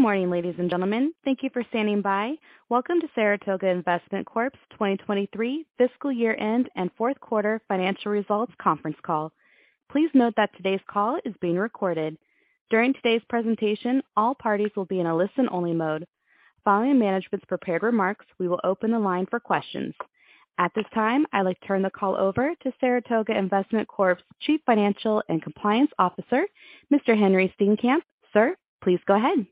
Good morning, ladies and gentlemen. Thank you for standing by. Welcome to Saratoga Investment Corp.'s 2023 Fiscal Year-End and Fourth Quarter Financial Results Conference Call. Please note that today's call is being recorded. During today's presentation, all parties will be in a listen-only mode. Following management's prepared remarks, we will open the line for questions. At this time, I'd like to turn the call over to Saratoga Investment Corp.'s Chief Financial and Compliance Officer, Mr. Henri Steenkamp. Sir, please go ahead.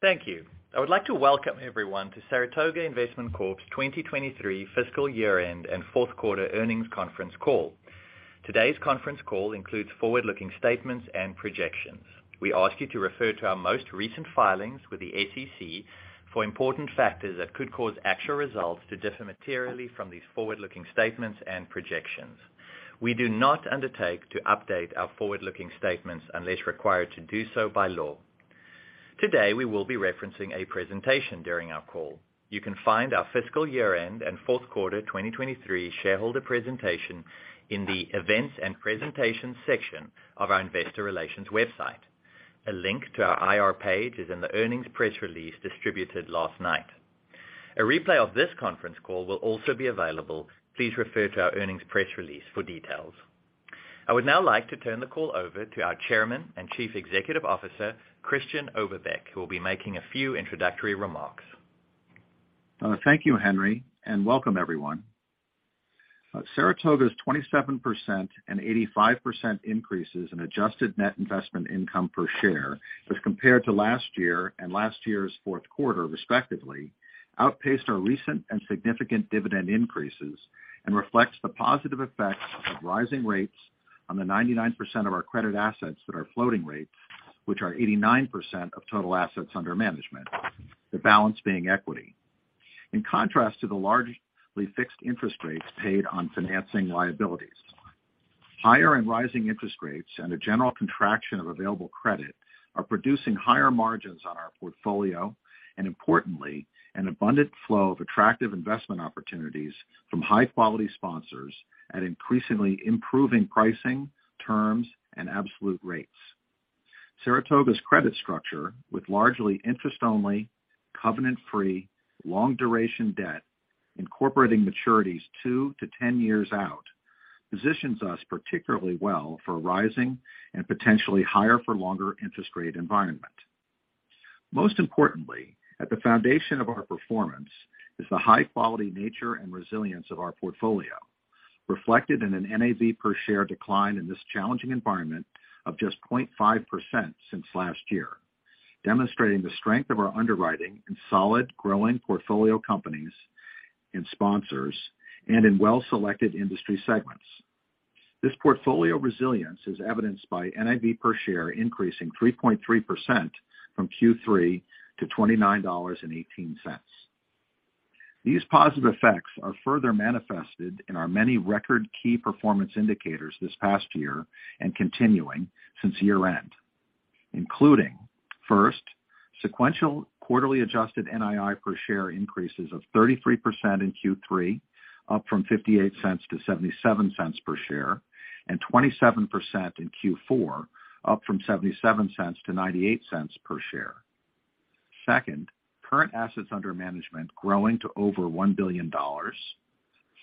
Thank you. I would like to welcome everyone to Saratoga Investment Corp.'s 2023 Fiscal Year-End and Fourth Quarter Earnings Conference Call. Today's conference call includes forward-looking statements and projections. We ask you to refer to our most recent filings with the SEC for important factors that could cause actual results to differ materially from these forward-looking statements and projections. We do not undertake to update our forward-looking statements unless required to do so by law. Today, we will be referencing a presentation during our call. You can find our fiscal year-end and fourth quarter 2023 shareholder presentation in the Events and Presentations section of our investor relations website. A link to our IR page is in the earnings press release distributed last night. A replay of this conference call will also be available. Please refer to our earnings press release for details. I would now like to turn the call over to our Chairman and Chief Executive Officer, Christian Oberbeck, who will be making a few introductory remarks. Thank you, Henry, welcome everyone. Saratoga's 27% and 85% increases in adjusted net investment income per share as compared to last year and last year's fourth quarter, respectively, outpaced our recent and significant dividend increases and reflects the positive effects of rising rates on the 99% of our credit assets that are floating rates, which are 89% of total assets under management, the balance being equity. In contrast to the largely fixed interest rates paid on financing liabilities, higher and rising interest rates and a general contraction of available credit are producing higher margins on our portfolio, and importantly, an abundant flow of attractive investment opportunities from high-quality sponsors at increasingly improving pricing, terms, and absolute rates. Saratoga's credit structure, with largely interest-only, covenant-free, long-duration debt, incorporating maturities two to 10 years out, positions us particularly well for a rising and potentially higher for longer interest rate environment. Most importantly, at the foundation of our performance is the high-quality nature and resilience of our portfolio, reflected in an NAV per share decline in this challenging environment of just 0.5% since last year, demonstrating the strength of our underwriting in solid, growing portfolio companies and sponsors and in well-selected industry segments. This portfolio resilience is evidenced by NAV per share increasing 3.3% from Q3 to $29.18. These positive effects are further manifested in our many record key performance indicators this past year and continuing since year-end, including, first, sequential quarterly adjusted NII per share increases of 33% in Q3, up from $0.58 to $0.77 per share, and 27% in Q4, up from $0.77 to $0.98 per share. Second, current assets under management growing to over $1 billion.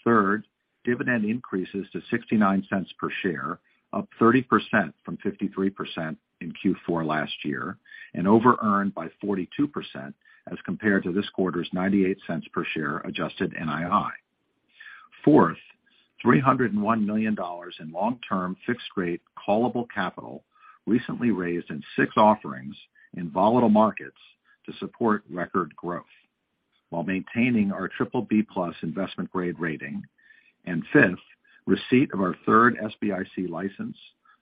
Third, dividend increases to $0.69 per share, up 30% from 53% in Q4 last year, and over-earned by 42% as compared to this quarter's $0.98 per share adjusted NII. Fourth, $301 million in long-term, fixed-rate callable capital recently raised in 6 offerings in volatile markets to support record growth while maintaining our triple B plus investment grade rating. Fifth, receipt of our third SBIC license,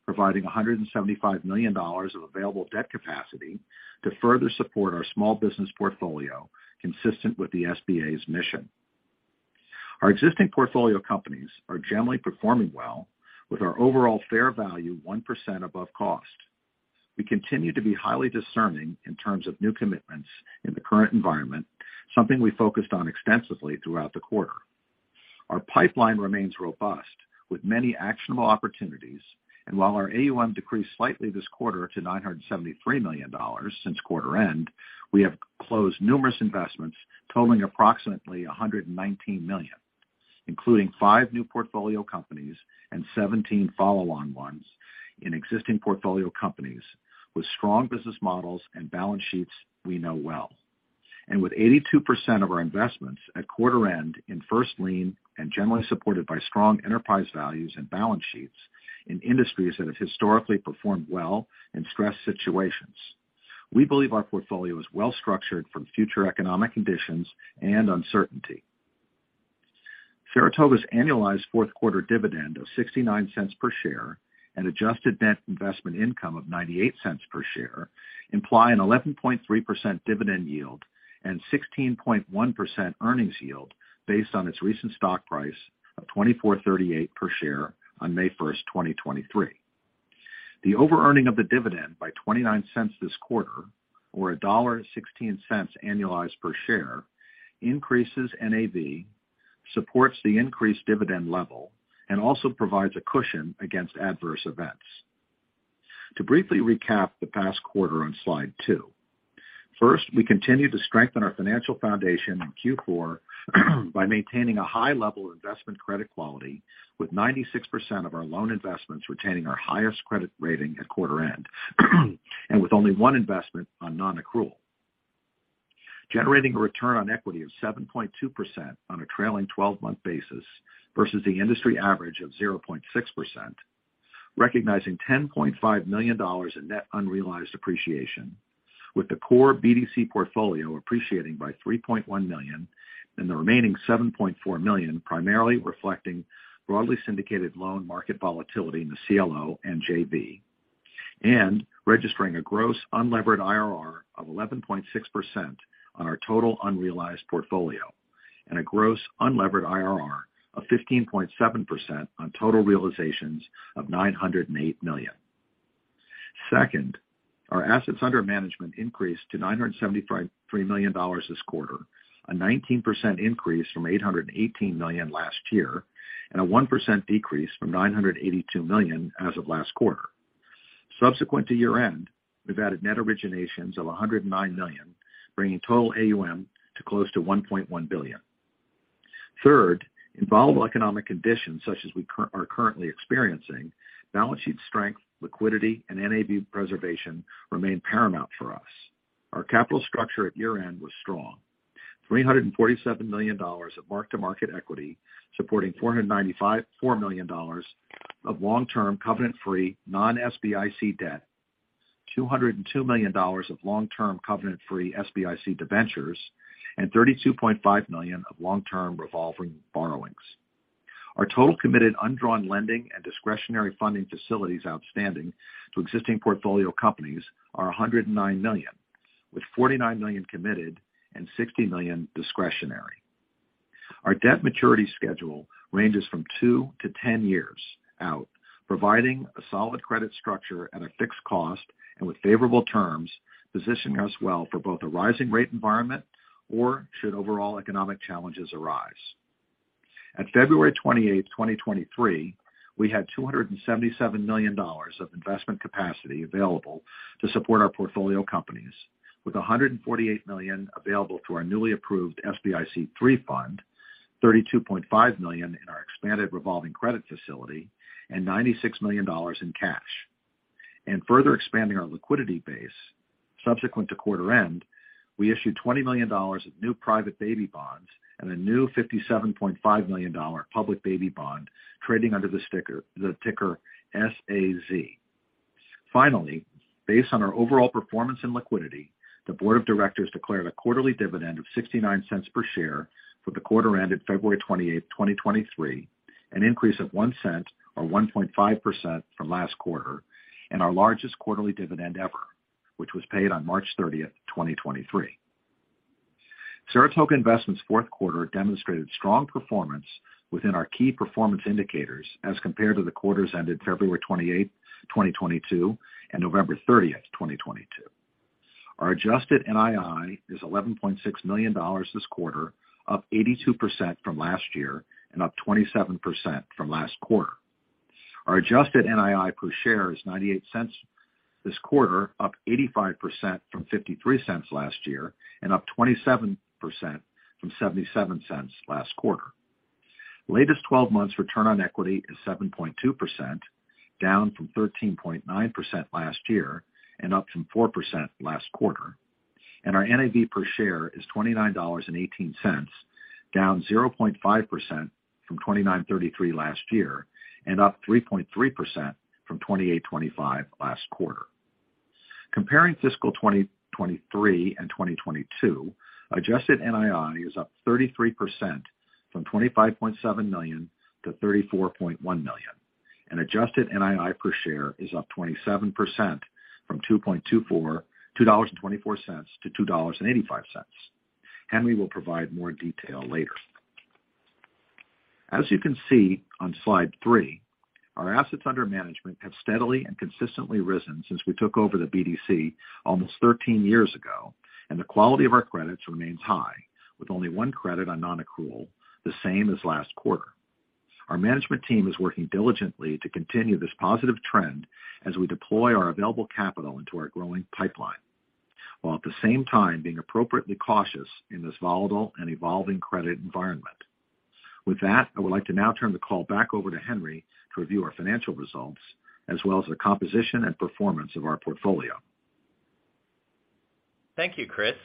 providing $175 million of available debt capacity to further support our small business portfolio consistent with the SBA's mission. Our existing portfolio companies are generally performing well, with our overall fair value 1% above cost. We continue to be highly discerning in terms of new commitments in the current environment, something we focused on extensively throughout the quarter. Our pipeline remains robust with many actionable opportunities. While our AUM decreased slightly this quarter to $973 million since quarter end, we have closed numerous investments totaling approximately $119 million, including five new portfolio companies and 17 follow-on ones in existing portfolio companies with strong business models and balance sheets we know well. With 82% of our investments at quarter end in first lien and generally supported by strong enterprise values and balance sheets in industries that have historically performed well in stress situations, we believe our portfolio is well structured for future economic conditions and uncertainty. Saratoga's annualized fourth quarter dividend of $0.69 per share and adjusted net investment income of $0.98 per share imply an 11.3% dividend yield and 16.1% earnings yield based on its recent stock price of $24.38 per share on May 1, 2023. The over-earning of the dividend by $0.29 this quarter or $1.16 annualized per share increases NAV supports the increased dividend level and also provides a cushion against adverse events. To briefly recap the past quarter on Slide 2. First, we continue to strengthen our financial foundation in Q4 by maintaining a high level of investment credit quality with 96% of our loan investments retaining our highest credit rating at quarter end, and with only one investment on non-accrual. Generating a return on equity of 7.2% on a trailing 12-month basis versus the industry average of 0.6%. Recognizing $10.5 million in net unrealized appreciation, with the core BDC portfolio appreciating by $3.1 million and the remaining $7.4 million primarily reflecting broadly syndicated loan market volatility in the CLO and JV. Registering a gross unlevered IRR of 11.6% on our total unrealized portfolio and a gross unlevered IRR of 15.7% on total realizations of $908 million. Second, our assets under management increased to $975.3 million this quarter, a 19% increase from $818 million last year, and a 1% decrease from $982 million as of last quarter. Subsequent to year-end, we've added net originations of $109 million, bringing total AUM to close to $1.1 billion. Third, in volatile economic conditions such as we are currently experiencing, balance sheet strength, liquidity, and NAV preservation remain paramount for us. Our capital structure at year-end was strong. $347 million of mark-to-market equity, supporting $495.4 million of long-term covenant-free non-SBIC debt, $202 million of long-term covenant-free SBIC debentures, and $32.5 million of long-term revolving borrowings. Our total committed undrawn lending and discretionary funding facilities outstanding to existing portfolio companies are $109 million, with $49 million committed and $60 million discretionary. Our debt maturity schedule ranges from two to 10 years out, providing a solid credit structure at a fixed cost and with favorable terms, positioning us well for both a rising rate environment or should overall economic challenges arise. At February 28, 2023, we had $277 million of investment capacity available to support our portfolio companies, with $148 million available through our newly approved SBIC III fund, $32.5 million in our expanded revolving credit facility, and $96 million in cash. Further expanding our liquidity base, subsequent to quarter end, we issued $20 million of new private baby bonds and a new $57.5 million public baby bond trading under the ticker SAZ. Finally, based on our overall performance and liquidity, the board of directors declared a quarterly dividend of $0.69 per share for the quarter ended February 28, 2023, an increase of $0.01 or 1.5% from last quarter, and our largest quarterly dividend ever, which was paid on March 30, 2023. Saratoga Investment's fourth quarter demonstrated strong performance within our key performance indicators as compared to the quarters ended February 28, 2022 and November 30, 2022. Our Adjusted NII is $11.6 million this quarter, up 82% from last year and up 27% from last quarter. Our Adjusted NII per share is $0.98 this quarter, up 85% from $0.53 last year and up 27% from $0.77 last quarter. Latest twelve months return on equity is 7.2%, down from 13.9% last year and up from 4% last quarter. Our NAV per share is $29.18, down 0.5% from $29.33 last year and up 3.3% from $28.25 last quarter. Comparing fiscal 2023 and 2022, Adjusted NII is up 33% from $25.7 million to $34.1 million. Adjusted NII per share is up 27% from $2.24 to $2.85. Henry will provide more detail later. As you can see on Slide 3, our assets under management have steadily and consistently risen since we took over the BDC almost 13 years ago. The quality of our credits remains high, with only 1 credit on non-accrual, the same as last quarter. Our management team is working diligently to continue this positive trend as we deploy our available capital into our growing pipeline, while at the same time being appropriately cautious in this volatile and evolving credit environment. With that, I would like to now turn the call back over to Henri to review our financial results as well as the composition and performance of our portfolio. Thank you, Chris.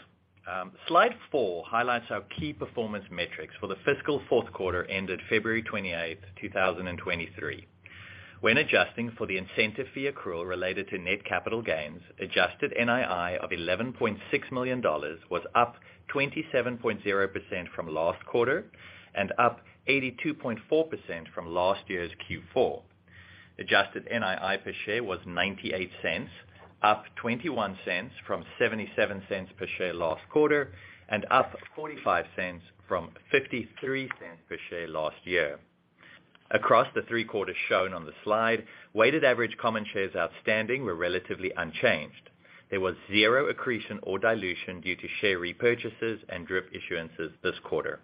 Slide 4 highlights our key performance metrics for the fiscal fourth quarter ended February 28th, 2023. When adjusting for the incentive fee accrual related to net capital gains, Adjusted NII of $11.6 million was up 27.0% from last quarter and up 82.4% from last year's Q4. Adjusted NII per share was $0.98, up $0.21 from $0.77 per share last quarter and up $0.45 from $0.53 per share last year. Across the three quarters shown on the slide, weighted average common shares outstanding were relatively unchanged. There was 0 accretion or dilution due to share repurchases and DRIP issuances this quarter.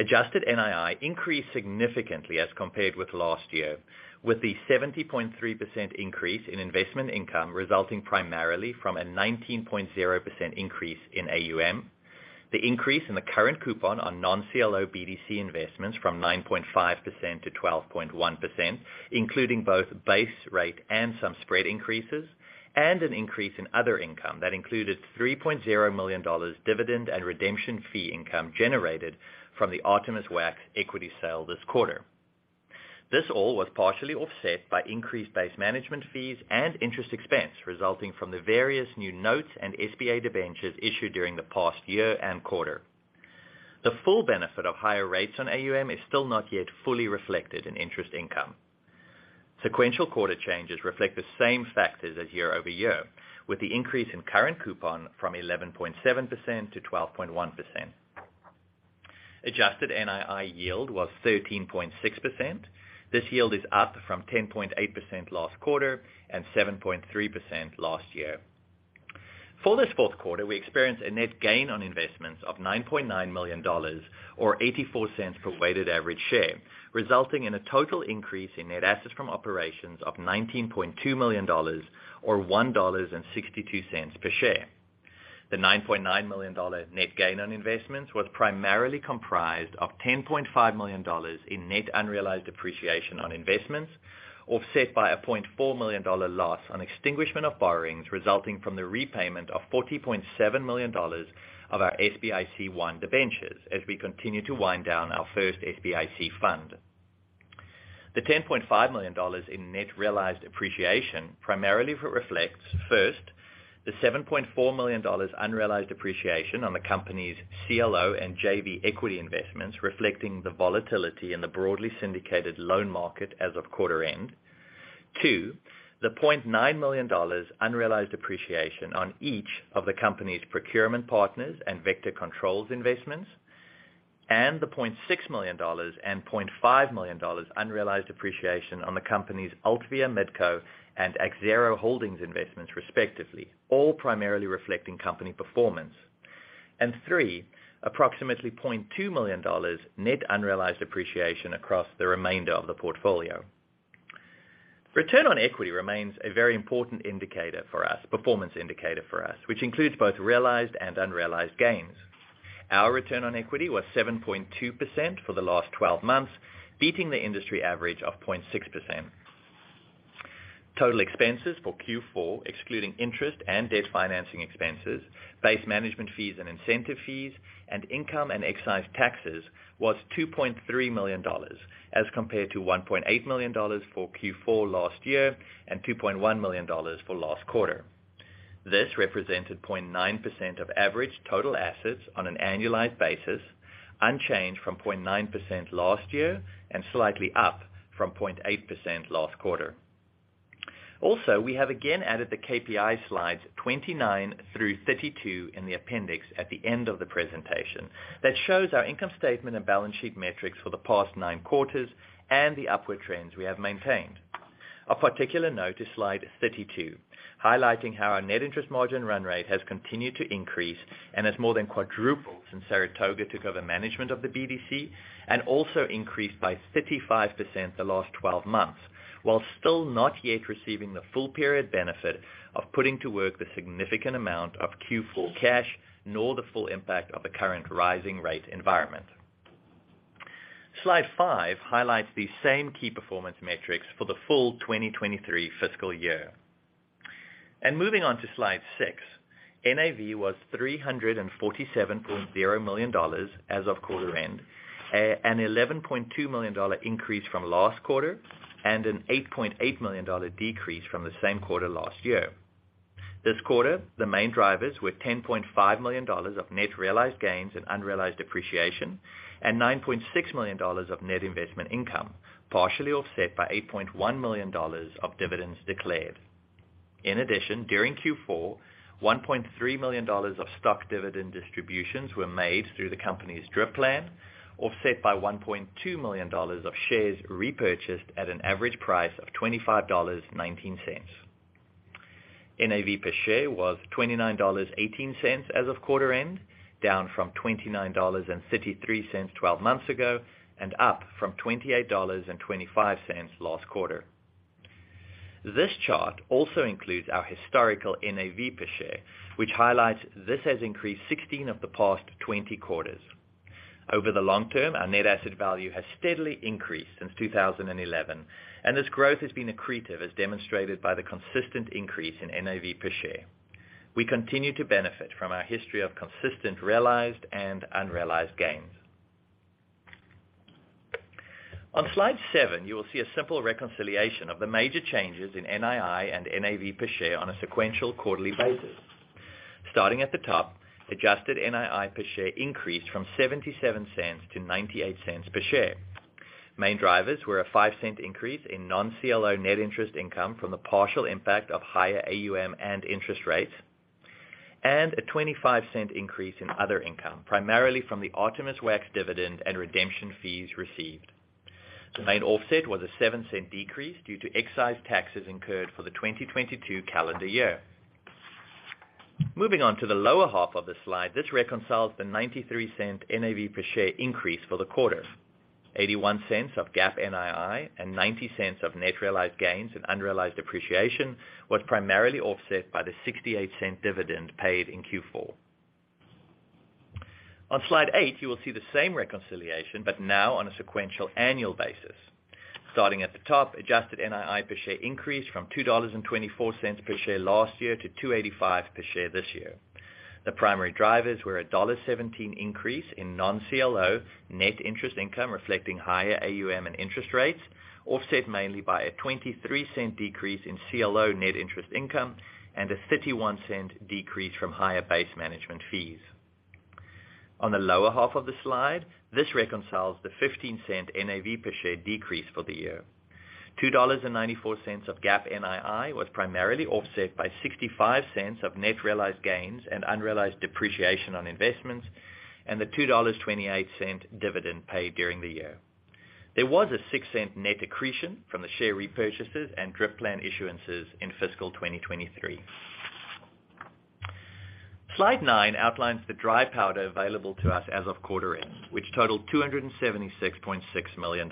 Adjusted NII increased significantly as compared with last year, with the 70.3% increase in investment income resulting primarily from a 19.0% increase in AUM. The increase in the current coupon on non-CLO BDC investments from 9.5% to 12.1%, including both base rate and some spread increases, and an increase in other income that included $3.0 million dividend and redemption fee income generated from the Artemis Wax equity sale this quarter. This all was partially offset by increased base management fees and interest expense resulting from the various new notes and SBA debentures issued during the past year and quarter. The full benefit of higher rates on AUM is still not yet fully reflected in interest income. Sequential quarter changes reflect the same factors as year-over-year, with the increase in current coupon from 11.7% to 12.1%. Adjusted NII yield was 13.6%. This yield is up from 10.8% last quarter and 7.3% last year. For this 4th quarter, we experienced a net gain on investments of $9.9 million or $0.84 per weighted average share, resulting in a total increase in net assets from operations of $19.2 million or $1.62 per share. The $9.9 million net gain on investments was primarily comprised of $10.5 million in net unrealized appreciation on investments, offset by a $0.4 million loss on extinguishment of borrowings resulting from the repayment of $40.7 million of our SBIC I debentures as we continue to wind down our first SBIC fund. The $10.5 million in net realized appreciation primarily re-reflects, first, the $7.4 million unrealized appreciation on the company's CLO and JV equity investments, reflecting the volatility in the broadly syndicated loan market as of quarter end. Two, the $0.9 million unrealized appreciation on each of the company's Procurement Partners and Vector Controls investments, and the $0.6 million and $0.5 million unrealized appreciation on the company's Altvia Midco and Axero Holdings investments respectively, all primarily reflecting company performance. Three, approximately $0.2 million net unrealized appreciation across the remainder of the portfolio. Return on equity remains a very important indicator for us, performance indicator for us, which includes both realized and unrealized gains. Our Return on equity was 7.2% for the last 12 months, beating the industry average of 0.6%. Total expenses for Q4, excluding interest and debt financing expenses, base management fees and incentive fees, and income and excise taxes, was $2.3 million as compared to $1.8 million for Q4 last year and $2.1 million for last quarter. This represented 0.9% of average total assets on an annualized basis, unchanged from 0.9% last year and slightly up from 0.8% last quarter. We have again added the KPI slides 29-32 in the appendix at the end of the presentation that shows our income statement and balance sheet metrics for the past nine quarters and the upward trends we have maintained. Of particular note is slide 32, highlighting how our net interest margin run rate has continued to increase and has more than quadrupled since Saratoga took over management of the BDC, and also increased by 35% the last 12 months, while still not yet receiving the full period benefit of putting to work the significant amount of Q4 cash, nor the full impact of the current rising rate environment. Slide 5 highlights the same key performance metrics for the full 2023 fiscal year. Moving on to slide 6, NAV was $347.0 million as of quarter end, an $11.2 million increase from last quarter and an $8.8 million decrease from the same quarter last year. This quarter, the main drivers were $10.5 million of net realized gains and unrealized appreciation and $9.6 million of net investment income, partially offset by $8.1 million of dividends declared. In addition, during Q4, $1.3 million of stock dividend distributions were made through the company's DRIP plan, offset by $1.2 million of shares repurchased at an average price of $25.19. NAV per share was $29.18 as of quarter end, down from $29.33 12 months ago, and up from $28.25 last quarter. This chart also includes our historical NAV per share, which highlights this has increased 16 of the past 20 quarters. Over the long term, our net asset value has steadily increased since 2011, and this growth has been accretive, as demonstrated by the consistent increase in NAV per share. On slide 7, you will see a simple reconciliation of the major changes in NII and NAV per share on a sequential quarterly basis. Starting at the top, Adjusted NII per share increased from $0.77 to $0.98 per share. Main drivers were a $0.05 increase in non-CLO net interest income from the partial impact of higher AUM and interest rates. A $0.25 increase in other income, primarily from the Artemis Wax dividend and redemption fees received. The main offset was a $0.07 decrease due to excise taxes incurred for the 2022 calendar year. Moving on to the lower half of the slide. This reconciles the $0.93 NAV per share increase for the quarter, $0.81 of GAAP NII, and $0.90 of net realized gains and unrealized appreciation, was primarily offset by the $0.68 dividend paid in Q4. On Slide 8, you will see the same reconciliation, but now on a sequential annual basis. Starting at the top, Adjusted NII per share increased from $2.24 per share last year to $2.85 per share this year. The primary drivers were a $1.17 increase in non-CLO net interest income, reflecting higher AUM and interest rates, offset mainly by a $0.23 decrease in CLO net interest income and a $0.51 decrease from higher base management fees. On the lower half of the slide, this reconciles the $0.15 NAV per share decrease for the year. $2.94 of GAAP NII was primarily offset by $0.65 of net realized gains and unrealized depreciation on investments, and the $2.28 dividend paid during the year. There was a $0.06 net accretion from the share repurchases and DRIP plan issuances in fiscal 2023. Slide 9 outlines the dry powder available to us as of quarter end, which totaled $276.6 million.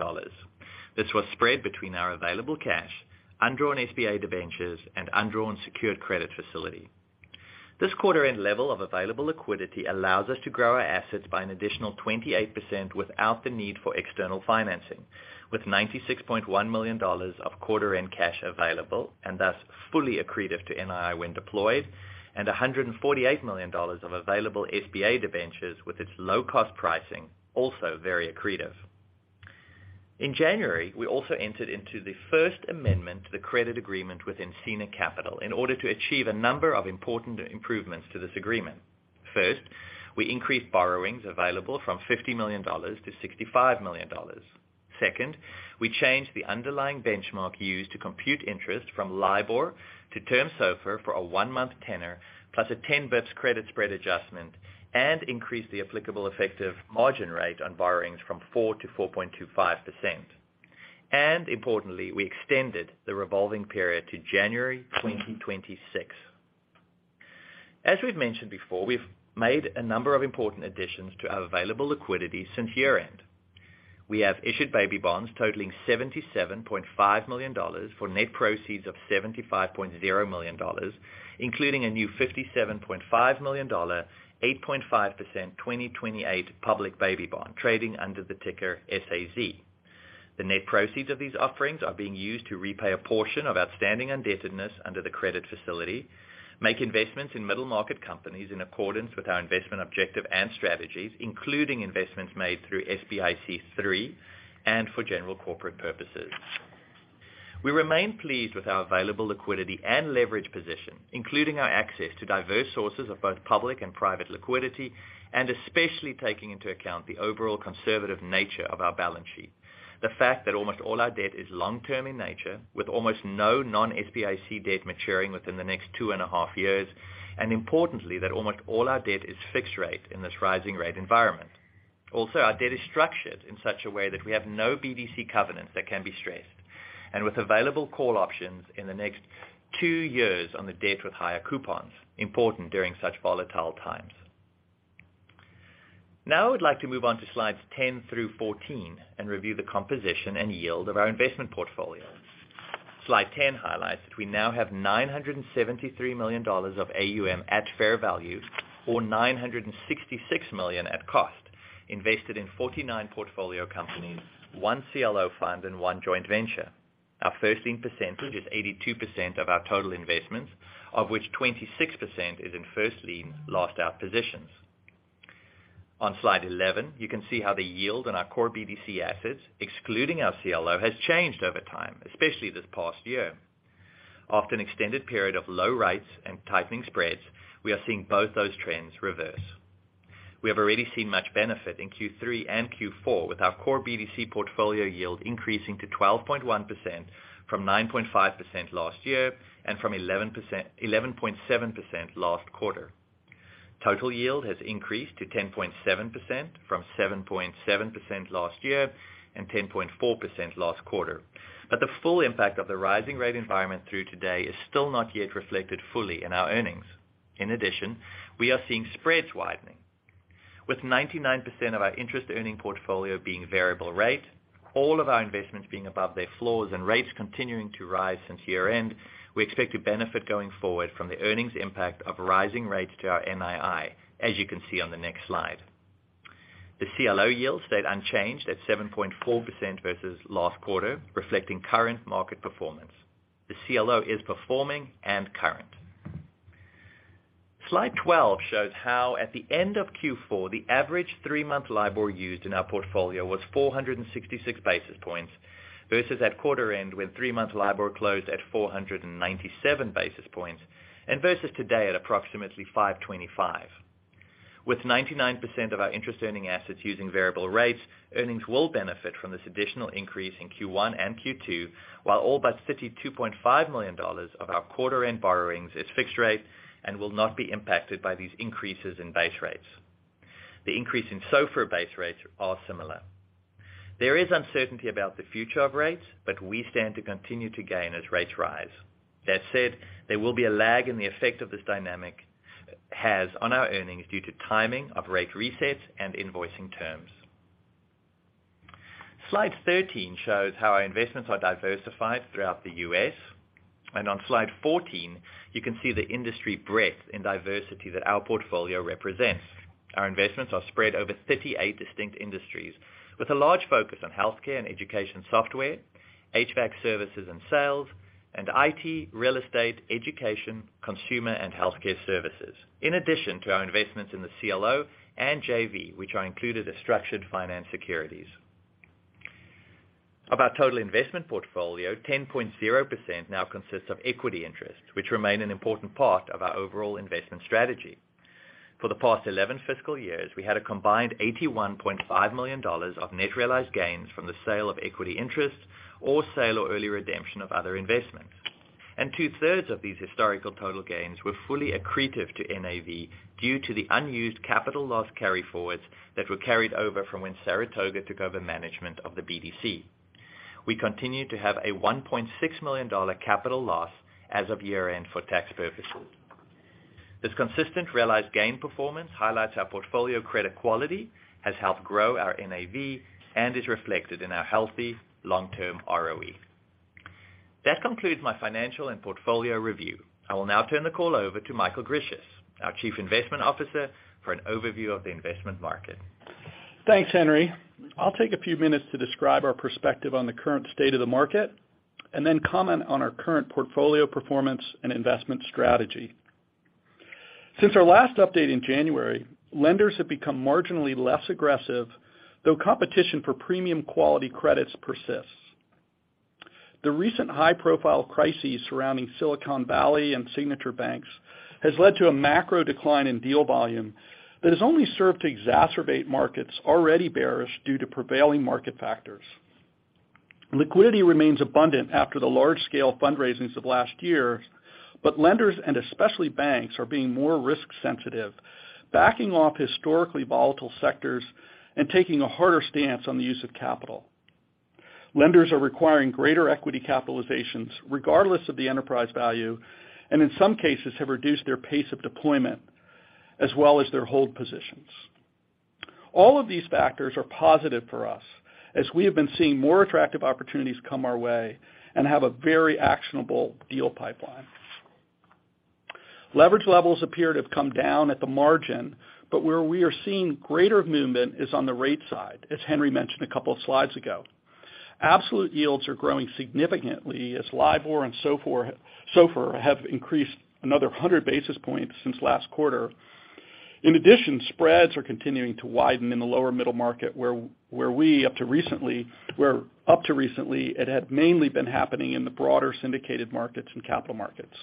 This was spread between our available cash, undrawn SBA debentures, and undrawn secured credit facility. This quarter end level of available liquidity allows us to grow our assets by an additional 28% without the need for external financing. With $96.1 million of quarter end cash available, and thus fully accretive to NII when deployed, and $148 million of available SBA debentures with its low cost pricing, also very accretive. In January, we also entered into the first amendment to the credit agreement with Encina in order to achieve a number of important improvements to this agreement. First, we increased borrowings available from $50 million to $65 million. Second, we changed the underlying benchmark used to compute interest from LIBOR to term SOFR for a 1-month tenor plus a 10 basis points credit spread adjustment, and increased the applicable effective margin rate on borrowings from 4% - 4.25%. Importantly, we extended the revolving period to January 2026. As we've mentioned before, we've made a number of important additions to our available liquidity since year-end. We have issued baby bonds totaling $77.5 million for net proceeds of $75.0 million, including a new $57.5 million, 8.5% 2028 public baby bond trading under the ticker SAZ. The net proceeds of these offerings are being used to repay a portion of outstanding indebtedness under the credit facility, make investments in middle market companies in accordance with our investment objective and strategies, including investments made through SBIC III, and for general corporate purposes. We remain pleased with our available liquidity and leverage position, including our access to diverse sources of both public and private liquidity, and especially taking into account the overall conservative nature of our balance sheet. The fact that almost all our debt is long-term in nature, with almost no non-SBIC debt maturing within the next 2 and a half years, importantly, that almost all our debt is fixed rate in this rising rate environment. Our debt is structured in such a way that we have no BDC covenants that can be stressed, and with available call options in the next two years on the debt with higher coupons, important during such volatile times. I would like to move on to slides 10 through 14 and review the composition and yield of our investment portfolio. Slide 10 highlights that we now have $973 million of AUM at fair value or $966 million at cost, invested in 49 portfolio companies, 1 CLO fund and 1 joint venture. Our first lien percentage is 82% of our total investments, of which 26% is in first lien lost out positions. On Slide 11, you can see how the yield on our core BDC assets, excluding our CLO, has changed over time, especially this past year. After an extended period of low rates and tightening spreads, we are seeing both those trends reverse. We have already seen much benefit in Q3 and Q4 with our core BDC portfolio yield increasing to 12.1% from 9.5% last year, and from 11.7% last quarter. Total yield has increased to 10.7% from 7.7% last year and 10.4% last quarter. The full impact of the rising rate environment through today is still not yet reflected fully in our earnings. We are seeing spreads widening. With 99% of our interest earning portfolio being variable rate, all of our investments being above their floors and rates continuing to rise since year-end, we expect to benefit going forward from the earnings impact of rising rates to our NII, as you can see on the next slide. The CLO yield stayed unchanged at 7.4% versus last quarter, reflecting current market performance. The CLO is performing and current. Slide 12 shows how at the end of Q4, the average three-month LIBOR used in our portfolio was 466 basis points, versus at quarter end when three-month LIBOR closed at 497 basis points, and versus today at approximately 525. With 99% of our interest-earning assets using variable rates, earnings will benefit from this additional increase in Q1 and Q2, while all but $52.5 million of our quarter-end borrowings is fixed rate and will not be impacted by these increases in base rates. The increase in SOFR base rates are similar. There is uncertainty about the future of rates, but we stand to continue to gain as rates rise. That said, there will be a lag in the effect of this dynamic has on our earnings due to timing of rate resets and invoicing terms. Slide 13 shows how our investments are diversified throughout the U.S. On slide 14, you can see the industry breadth and diversity that our portfolio represents. Our investments are spread over 38 distinct industries, with a large focus on healthcare and education software, HVAC services and sales, and IT, real estate, education, consumer and healthcare services. In addition to our investments in the CLO and JV, which are included as structured finance securities. Of our total investment portfolio, 10.0% now consists of equity interests, which remain an important part of our overall investment strategy. For the past 11 fiscal years, we had a combined $81.5 million of net realized gains from the sale of equity interests or sale or early redemption of other investments. 2/3 of these historical total gains were fully accretive to NAV due to the unused capital loss carryforwards that were carried over from when Saratoga took over management of the BDC. We continue to have a $1.6 million capital loss as of year-end for tax purposes. This consistent realized gain performance highlights our portfolio credit quality has helped grow our NAV and is reflected in our healthy long-term ROE. That concludes my financial and portfolio review. I will now turn the call over to Michael Grisius, our Chief Investment Officer, for an overview of the investment market. Thanks, Henry. I'll take a few minutes to describe our perspective on the current state of the market and then comment on our current portfolio performance and investment strategy. Since our last update in January, lenders have become marginally less aggressive, though competition for premium quality credits persists. The recent high-profile crises surrounding Silicon Valley Bank and Signature Bank has led to a macro decline in deal volume that has only served to exacerbate markets already bearish due to prevailing market factors. Liquidity remains abundant after the large-scale fundraisings of last year, but lenders, and especially banks, are being more risk-sensitive, backing off historically volatile sectors and taking a harder stance on the use of capital. Lenders are requiring greater equity capitalizations regardless of the enterprise value, and in some cases have reduced their pace of deployment as well as their hold positions. All of these factors are positive for us as we have been seeing more attractive opportunities come our way and have a very actionable deal pipeline. Leverage levels appear to have come down at the margin, but where we are seeing greater movement is on the rate side, as Henry mentioned a couple of slides ago. Absolute yields are growing significantly as LIBOR and SOFR have increased another 100 basis points since last quarter. In addition, spreads are continuing to widen in the lower middle market, where up to recently it had mainly been happening in the broader syndicated markets and capital markets.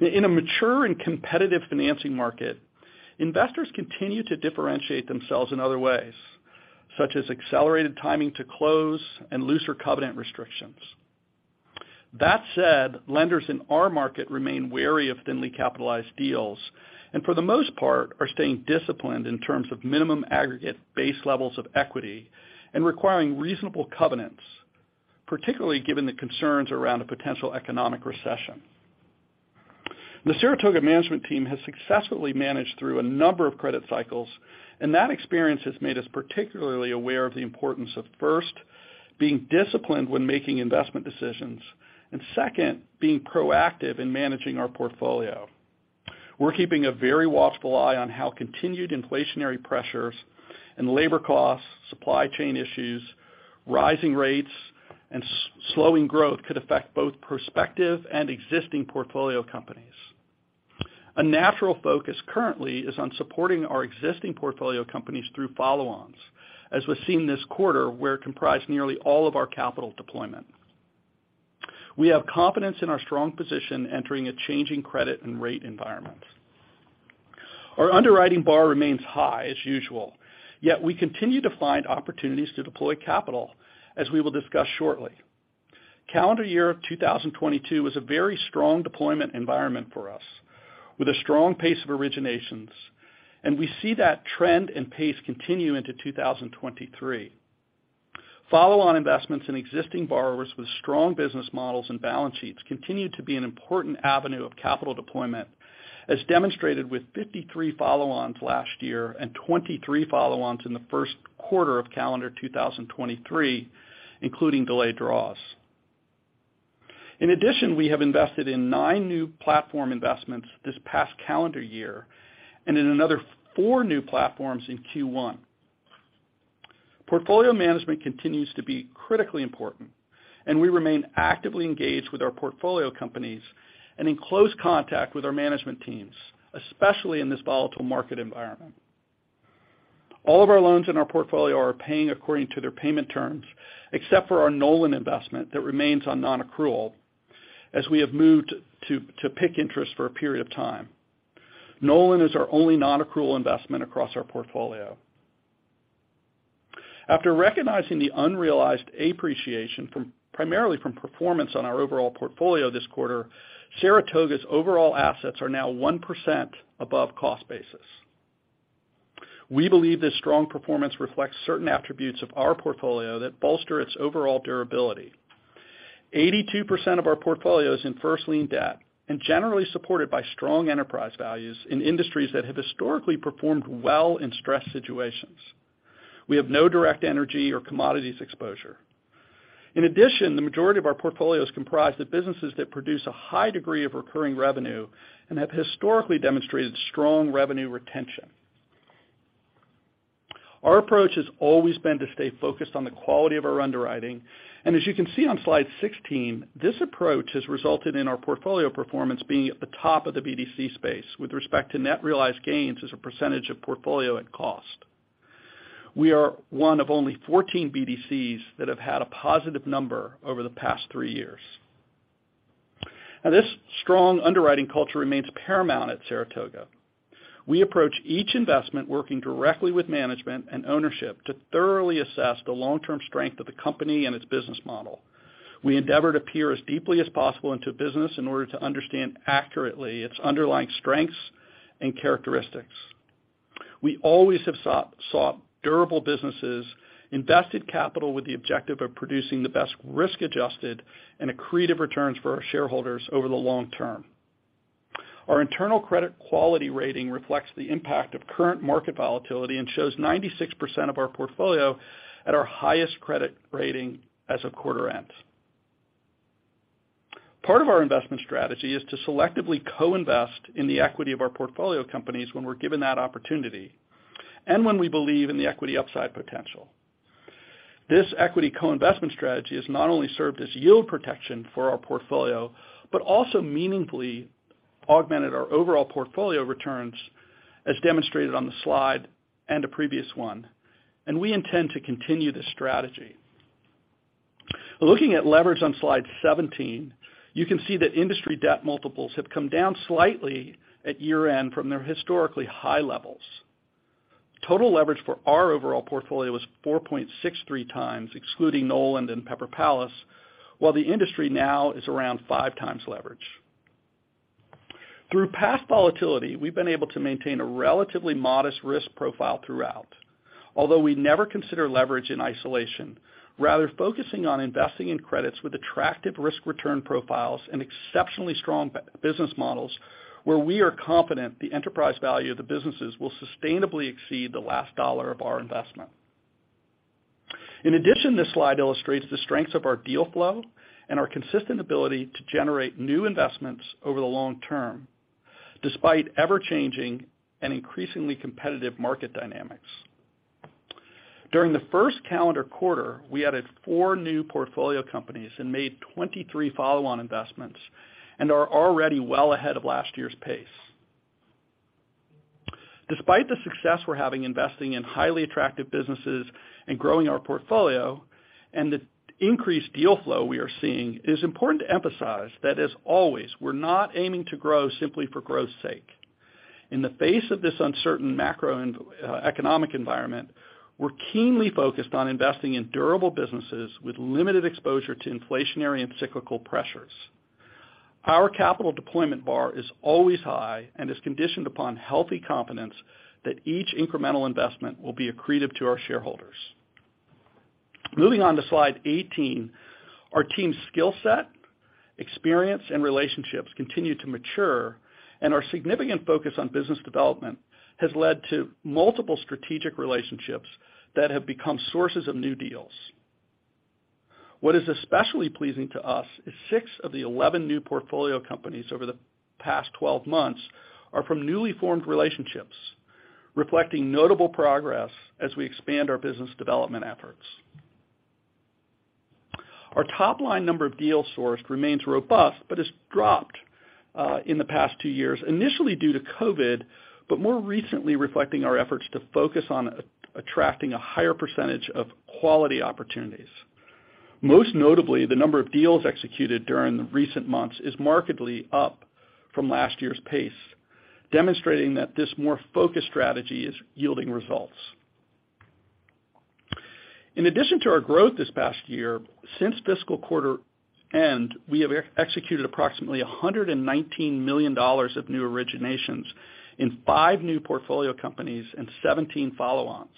In a mature and competitive financing market, investors continue to differentiate themselves in other ways, such as accelerated timing to close and looser covenant restrictions. That said, lenders in our market remain wary of thinly capitalized deals, and for the most part, are staying disciplined in terms of minimum aggregate base levels of equity and requiring reasonable covenants, particularly given the concerns around a potential economic recession. The Saratoga management team has successfully managed through a number of credit cycles, and that experience has made us particularly aware of the importance of, first, being disciplined when making investment decisions, and second, being proactive in managing our portfolio. We're keeping a very watchful eye on how continued inflationary pressures and labor costs, supply chain issues, rising rates, and slowing growth could affect both prospective and existing portfolio companies. A natural focus currently is on supporting our existing portfolio companies through follow-ons, as was seen this quarter, where it comprised nearly all of our capital deployment. We have confidence in our strong position entering a changing credit and rate environment. Our underwriting bar remains high as usual, yet we continue to find opportunities to deploy capital, as we will discuss shortly. Calendar year of 2022 was a very strong deployment environment for us, with a strong pace of originations. We see that trend and pace continue into 2023. Follow-on investments in existing borrowers with strong business models and balance sheets continue to be an important avenue of capital deployment, as demonstrated with 53 follow-ons last year and 23 follow-ons in the first quarter of calendar 2023, including delayed draws. In addition, we have invested in nine new platform investments this past calendar year and in another four new platforms in Q1. Portfolio management continues to be critically important, and we remain actively engaged with our portfolio companies and in close contact with our management teams, especially in this volatile market environment. All of our loans in our portfolio are paying according to their payment terms, except for our Nolan investment that remains on non-accrual as we have moved to PIK interest for a period of time. Nolan is our only non-accrual investment across our portfolio. After recognizing the unrealized appreciation from primarily from performance on our overall portfolio this quarter, Saratoga's overall assets are now 1% above cost basis. We believe this strong performance reflects certain attributes of our portfolio that bolster its overall durability. 82% of our portfolio is in first lien debt and generally supported by strong enterprise values in industries that have historically performed well in stress situations. We have no direct energy or commodities exposure. In addition, the majority of our portfolio is comprised of businesses that produce a high degree of recurring revenue and have historically demonstrated strong revenue retention. Our approach has always been to stay focused on the quality of our underwriting. As you can see on slide 16, this approach has resulted in our portfolio performance being at the top of the BDC space with respect to net realized gains as a % of portfolio at cost. We are one of only 14 BDCs that have had a positive number over the past 3 years. This strong underwriting culture remains paramount at Saratoga. We approach each investment working directly with management and ownership to thoroughly assess the long-term strength of the company and its business model. We endeavor to peer as deeply as possible into business in order to understand accurately its underlying strengths and characteristics. We always have so-sought durable businesses, invested capital with the objective of producing the best risk-adjusted and accretive returns for our shareholders over the long term. Our internal credit quality rating reflects the impact of current market volatility and shows 96% of our portfolio at our highest credit rating as of quarter end. Part of our investment strategy is to selectively co-invest in the equity of our portfolio companies when we're given that opportunity and when we believe in the equity upside potential. This equity co-investment strategy has not only served as yield protection for our portfolio, but also meaningfully augmented our overall portfolio returns, as demonstrated on the slide and the previous one, and we intend to continue this strategy. Looking at leverage on slide 17, you can see that industry debt multiples have come down slightly at year-end from their historically high levels. Total leverage for our overall portfolio was 4.63 times, excluding Noland and Pepper Palace, while the industry now is around five times leverage. Through past volatility, we've been able to maintain a relatively modest risk profile throughout. We never consider leverage in isolation, rather focusing on investing in credits with attractive risk-return profiles and exceptionally strong business models, where we are confident the enterprise value of the businesses will sustainably exceed the last dollar of our investment. This slide illustrates the strengths of our deal flow and our consistent ability to generate new investments over the long term, despite ever-changing and increasingly competitive market dynamics. During the first calendar quarter, we added four new portfolio companies and made 23 follow-on investments and are already well ahead of last year's pace. Despite the success we're having investing in highly attractive businesses and growing our portfolio and the increased deal flow we are seeing, it is important to emphasize that as always, we're not aiming to grow simply for growth's sake. In the face of this uncertain macro and economic environment, we're keenly focused on investing in durable businesses with limited exposure to inflationary and cyclical pressures. Our capital deployment bar is always high and is conditioned upon healthy confidence that each incremental investment will be accretive to our shareholders. Moving on to Slide 18. Our team's skill set, experience, and relationships continue to mature, and our significant focus on business development has led to multiple strategic relationships that have become sources of new deals. What is especially pleasing to us is Six of the 11 new portfolio companies over the past 12 months are from newly formed relationships, reflecting notable progress as we expand our business development efforts. Our top-line number of deals sourced remains robust, but has dropped in the past two years, initially due to COVID, but more recently reflecting our efforts to focus on attracting a higher % of quality opportunities. Most notably, the number of deals executed during the recent months is markedly up from last year's pace, demonstrating that this more focused strategy is yielding results. In addition to our growth this past year, since fiscal quarter end, we have executed approximately $119 million of new originations in five new portfolio companies and 17 follow-ons,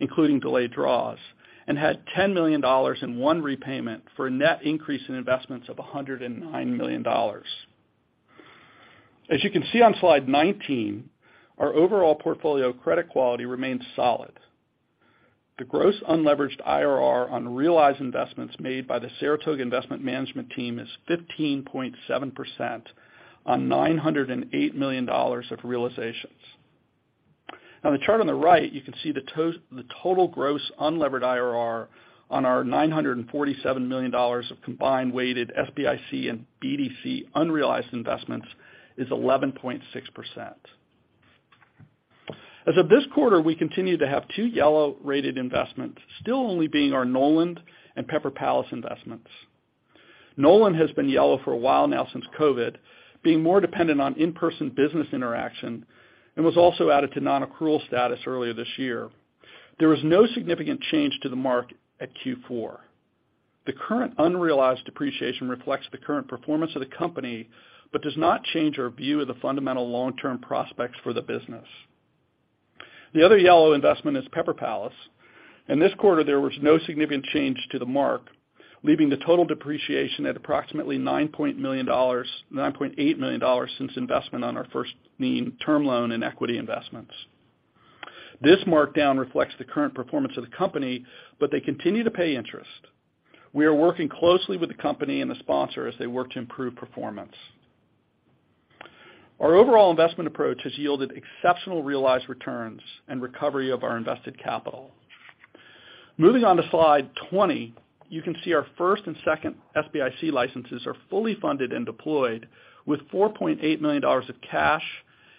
including delayed draws, and had $10 million in one repayment for a net increase in investments of $109 million. As you can see on Slide 19, our overall portfolio credit quality remains solid. The gross unleveraged IRR on realized investments made by the Saratoga Investment Management team is 15.7% on $908 million of realizations. On the chart on the right, you can see the total gross unlevered IRR on our $947 million of combined weighted SBIC and BDC unrealized investments is 11.6%. As of this quarter, we continue to have two yellow-rated investments, still only being our Nolan and Pepper Palace investments. Nolan has been yellow for a while now since COVID, being more dependent on in-person business interaction, and was also added to non-accrual status earlier this year. There was no significant change to the mark at Q4. The current unrealized depreciation reflects the current performance of the company, but does not change our view of the fundamental long-term prospects for the business. The other yellow investment is Pepper Palace. This quarter there was no significant change to the mark, leaving the total depreciation at approximately $9.8 million since investment on our first lien term loan and equity investments. This markdown reflects the current performance of the company. They continue to pay interest. We are working closely with the company and the sponsor as they work to improve performance. Our overall investment approach has yielded exceptional realized returns and recovery of our invested capital. Moving on to slide 20, you can see our first and second SBIC licenses are fully funded and deployed with $4.8 million of cash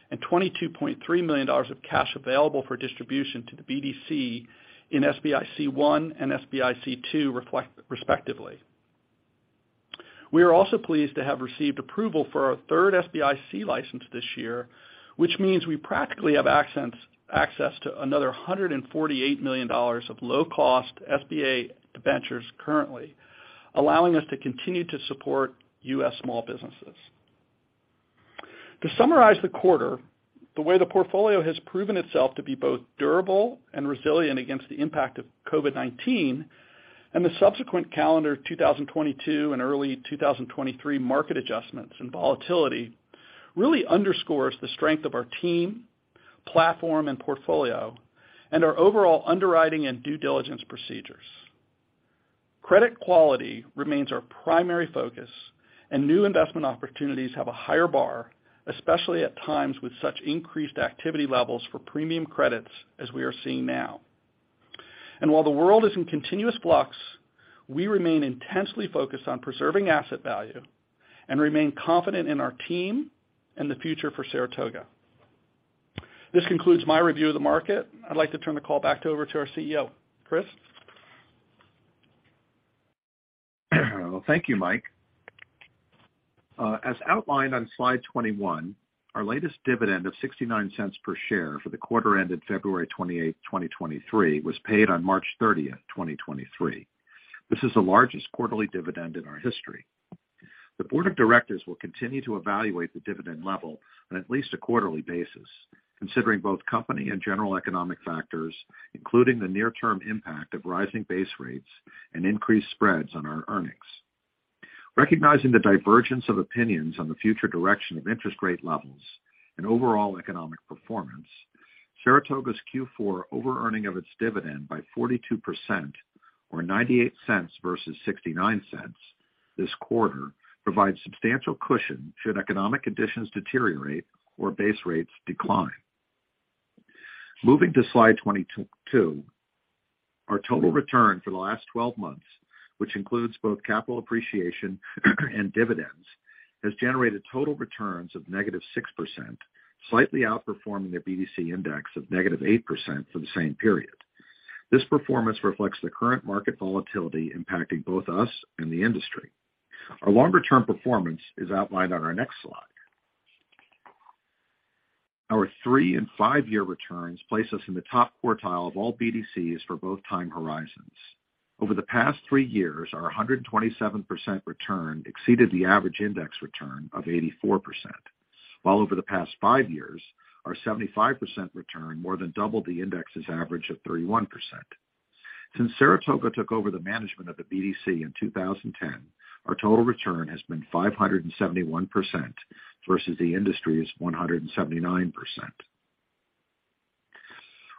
and $22.3 million of cash available for distribution to the BDC in SBIC I and SBIC II respectively. We are also pleased to have received approval for our third SBIC license this year, which means we practically have access to another $148 million of low-cost SBA debentures currently, allowing us to continue to support U.S. small businesses. To summarize the quarter, the way the portfolio has proven itself to be both durable and resilient against the impact of COVID-19 and the subsequent calendar 2022 and early 2023 market adjustments and volatility really underscores the strength of our team, platform, and portfolio, and our overall underwriting and due diligence procedures. Credit quality remains our primary focus. New investment opportunities have a higher bar, especially at times with such increased activity levels for premium credits as we are seeing now. While the world is in continuous flux, we remain intensely focused on preserving asset value and remain confident in our team and the future for Saratoga. This concludes my review of the market. I'd like to turn the call back over to our CEO. Chris? Well, thank you, Mike. As outlined on Slide 21, our latest dividend of $0.69 per share for the quarter ended February 28, 2023, was paid on March 30, 2023. This is the largest quarterly dividend in our history. The board of directors will continue to evaluate the dividend level on at least a quarterly basis, considering both company and general economic factors, including the near-term impact of rising base rates and increased spreads on our earnings. Recognizing the divergence of opinions on the future direction of interest rate levels and overall economic performance, Saratoga's Q4 overearning of its dividend by 42% or $0.98 versus $0.69 this quarter provides substantial cushion should economic conditions deteriorate or base rates decline. Moving to Slide 22, our total return for the last 12 months, which includes both capital appreciation and dividends, has generated total returns of -6%, slightly outperforming the BDC index of -8% for the same period. This performance reflects the current market volatility impacting both us and the industry. Our longer-term performance is outlined on our next slide. Our 3- and 5-year returns place us in the top quartile of all BDCs for both time horizons. Over the past three years, our 127% return exceeded the average index return of 84%, while over the past five years, our 75% return more than doubled the index's average of 31%. Since Saratoga took over the management of the BDC in 2010, our total return has been 571% versus the industry's 179%.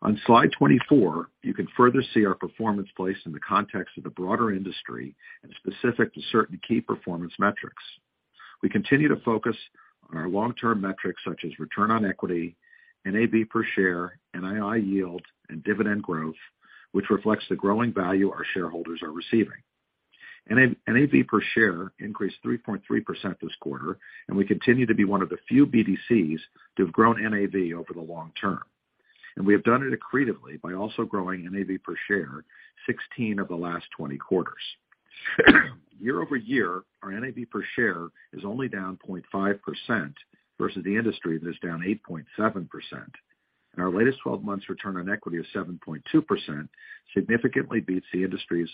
On Slide 24, you can further see our performance placed in the context of the broader industry and specific to certain key performance metrics. We continue to focus on our long-term metrics such as return on equity, NAV per share, NII yield, and dividend growth, which reflects the growing value our shareholders are receiving. NAV per share increased 3.3% this quarter, we continue to be one of the few BDCs to have grown NAV over the long term. We have done it accretively by also growing NAV per share 16 of the last 20 quarters. Year-over-year, our NAV per share is only down 0.5% versus the industry that is down 8.7%. Our latest 12 months return on equity of 7.2% significantly beats the industry's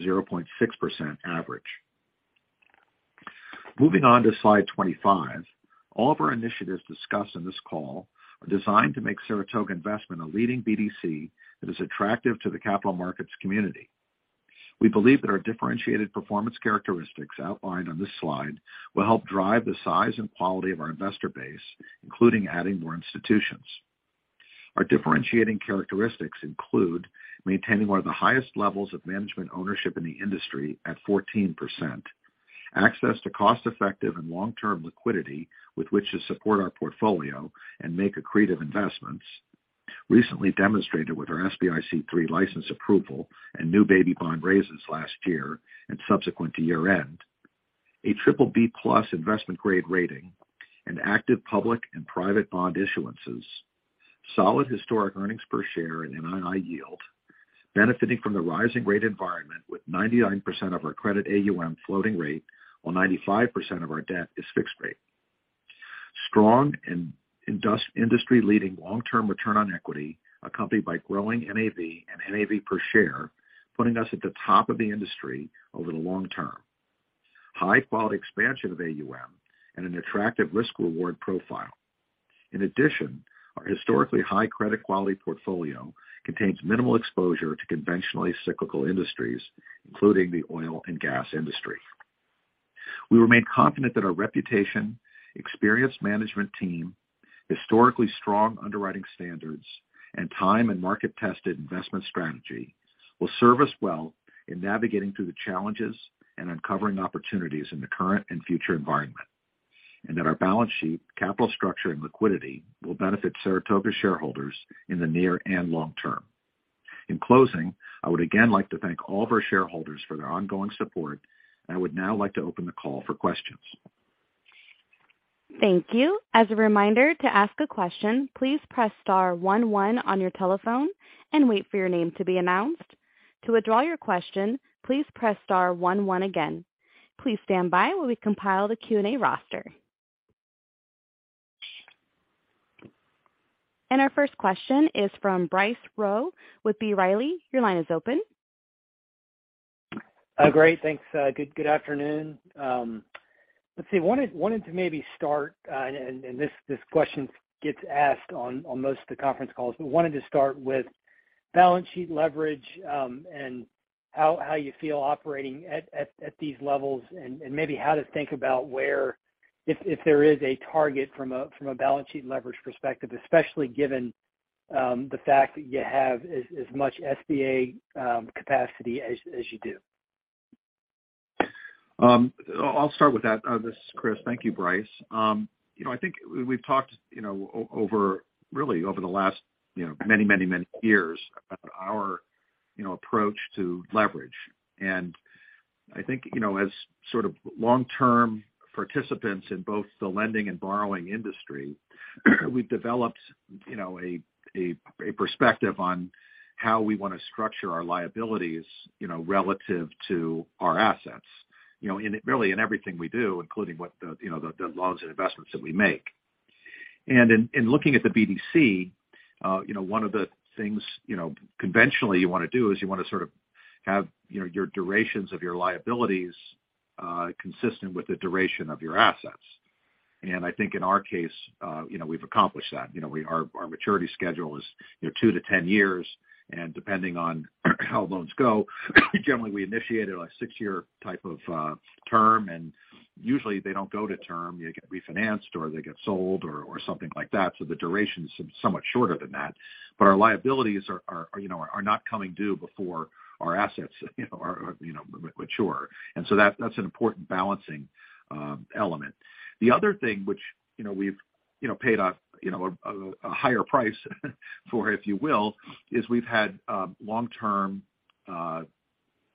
0.6% average. Moving on to slide 25. All of our initiatives discussed in this call are designed to make Saratoga Investment a leading BDC that is attractive to the capital markets community. We believe that our differentiated performance characteristics outlined on this slide will help drive the size and quality of our investor base, including adding more institutions. Our differentiating characteristics include maintaining one of the highest levels of management ownership in the industry at 14%, access to cost-effective and long-term liquidity with which to support our portfolio and make accretive investments. Recently demonstrated with our SBIC III license approval and new baby bond raises last year and subsequent to year-end. A BBB+ investment grade rating and active public and private bond issuances. Solid historic earnings per share in NII yield, benefiting from the rising rate environment with 99% of our credit AUM floating rate while 95% of our debt is fixed rate. Strong and industry-leading long-term return on equity, accompanied by growing NAV and NAV per share, putting us at the top of the industry over the long term. High-quality expansion of AUM and an attractive risk-reward profile. In addition, our historically high credit quality portfolio contains minimal exposure to conventionally cyclical industries, including the oil and gas industry. We remain confident that our reputation, experienced management team, historically strong underwriting standards, and time and market-tested investment strategy will serve us well in navigating through the challenges and uncovering opportunities in the current and future environment. That our balance sheet, capital structure, and liquidity will benefit Saratoga shareholders in the near and long term. In closing, I would again like to thank all of our shareholders for their ongoing support. I would now like to open the call for questions. Thank you. As a reminder, to ask a question, please press star one one on your telephone and wait for your name to be announced. To withdraw your question, please press star one one again. Please stand by while we compile the Q&A roster. Our first question is from Bryce Rowe with B. Riley. Your line is open. Great, thanks. Good afternoon. Let's see, wanted to maybe start, and this question gets asked on most of the conference calls. Wanted to start with balance sheet leverage, and how you feel operating at these levels, and maybe how to think about where if there is a target from a balance sheet leverage perspective, especially given the fact that you have as much SBA capacity as you do. I'll start with that. This is Chris. Thank you, Bryce. You know, I think we've talked, you know, over really over the last, you know, many, many, many years about our, you know, approach to leverage. I think, you know, as sort of long-term participants in both the lending and borrowing industry, we've developed, you know, a perspective on how we wanna structure our liabilities, you know, relative to our assets. You know, in really in everything we do, including what the, you know, the loans and investments that we make. In looking at the BDC, you know, one of the things, you know, conventionally you wanna do is you wanna sort of have, you know, your durations of your liabilities, consistent with the duration of your assets. I think in our case, you know, we've accomplished that. You know, our maturity schedule is, you know, two to 10 years, and depending on how loans go, generally, we initiate a 6-year type of term, and usually they don't go to term. They get refinanced or they get sold or something like that. The duration is somewhat shorter than that. Our liabilities are, you know, not coming due before our assets, you know, are, you know, mature. That's an important balancing element. The other thing which, you know, we've, you know, paid a, you know, a higher price for, if you will, is we've had long-term,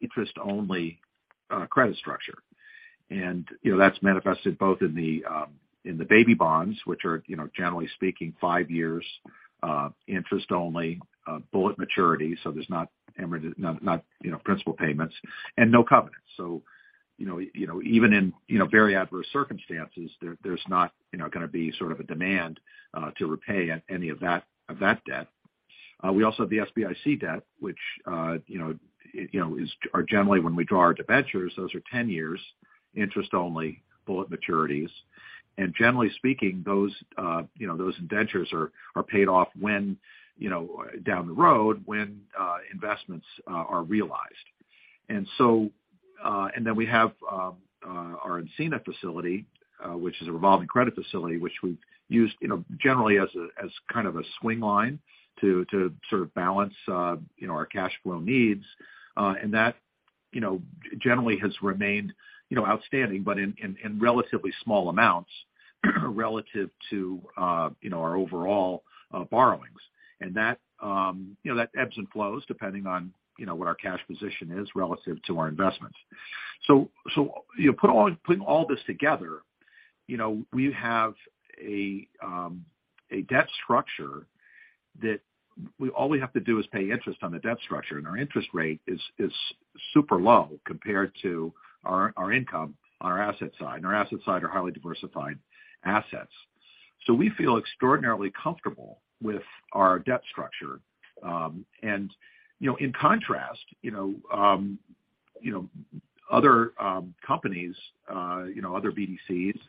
interest-only credit structure. You know, that's manifested both in the in the baby bonds, which are, you know, generally speaking, 5 years interest only bullet maturity. There's not, you know, principal payments and no covenants. You know, you know, even in, you know, very adverse circumstances, there's not, you know, gonna be sort of a demand to repay any of that, of that debt. We also have the SBIC debt, which, you know, you know, are generally when we draw our debentures, those are 10 years interest-only bullet maturities. Generally speaking, those, you know, those indentures are paid off when, you know, down the road when investments are realized. Then we have our Encina facility, which is a revolving credit facility, which we've used, you know, generally as a, as kind of a swing line to sort of balance, you know, our cash flow needs. That, you know, generally has remained, you know, outstanding but in relatively small amounts relative to, you know, our overall borrowings. That, you know, that ebbs and flows depending on, you know, what our cash position is relative to our investments. Putting all this together, you know, we have a debt structure that all we have to do is pay interest on the debt structure, and our interest rate is super low compared to our income on our asset side. Our asset side are highly diversified assets. We feel extraordinarily comfortable with our debt structure. You know, in contrast, you know, you know, other companies, you know, other BDCs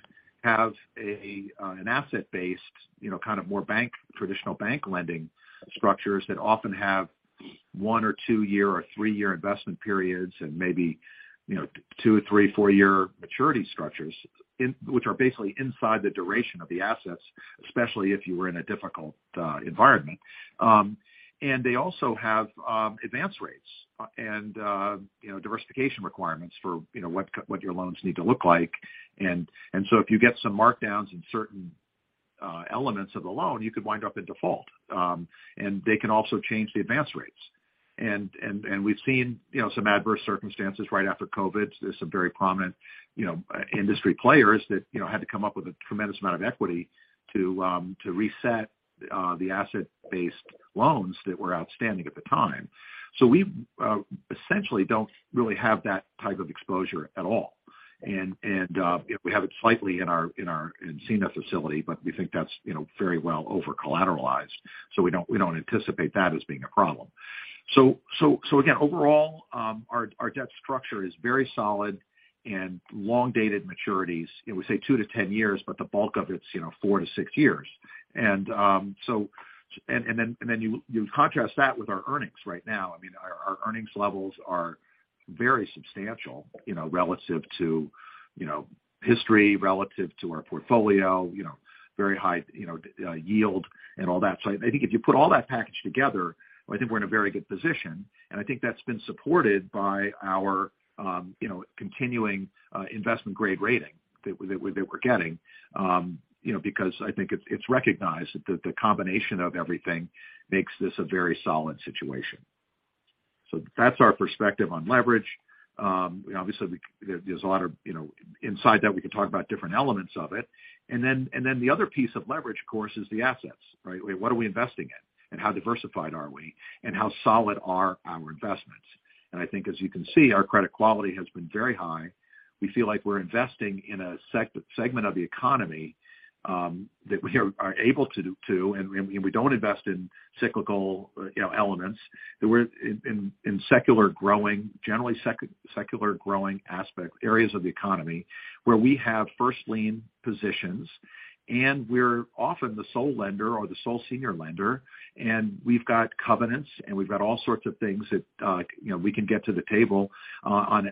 have an asset-based, you know, kind of more bank, traditional bank lending structures that often have 1 or 2-year or 3-year investment periods and maybe, you know, 2 or 3, 4-year maturity structures which are basically inside the duration of the assets, especially if you were in a difficult environment. They also have advance rates and, you know, diversification requirements for, you know, what your loans need to look like. If you get some markdowns in certain elements of the loan, you could wind up in default. They can also change the advance rates. We've seen, you know, some adverse circumstances right after COVID. There's some very prominent, you know, industry players that, you know, had to come up with a tremendous amount of equity to reset the asset-based loans that were outstanding at the time. We essentially don't really have that type of exposure at all. We have it slightly in our Encina facility, but we think that's, you know, very well over-collateralized, so we don't, we don't anticipate that as being a problem. Again, overall, our debt structure is very solid and long-dated maturities. We say 2-10 years, but the bulk of it's, you know, 4-6 years. Then you contrast that with our earnings right now. I mean, our earnings levels are very substantial, you know, relative to, you know, history, relative to our portfolio, you know, very high, you know, yield and all that. I think if you put all that package together, I think we're in a very good position, and I think that's been supported by our, you know, continuing, investment-grade rating that we're getting, you know, because I think it's recognized that the combination of everything makes this a very solid situation. That's our perspective on leverage. Obviously, there's a lot of, you know, inside that we can talk about different elements of it. Then, the other piece of leverage, of course, is the assets, right? What are we investing in? How diversified are we? How solid are our investments? I think, as you can see, our credit quality has been very high. We feel like we're investing in a segment of the economy that we are able to do, and we don't invest in cyclical, you know, elements. That we're in secular growing, generally secular growing aspect areas of the economy where we have first lien positions, and we're often the sole lender or the sole senior lender, and we've got covenants, and we've got all sorts of things that, you know, we can get to the table, on,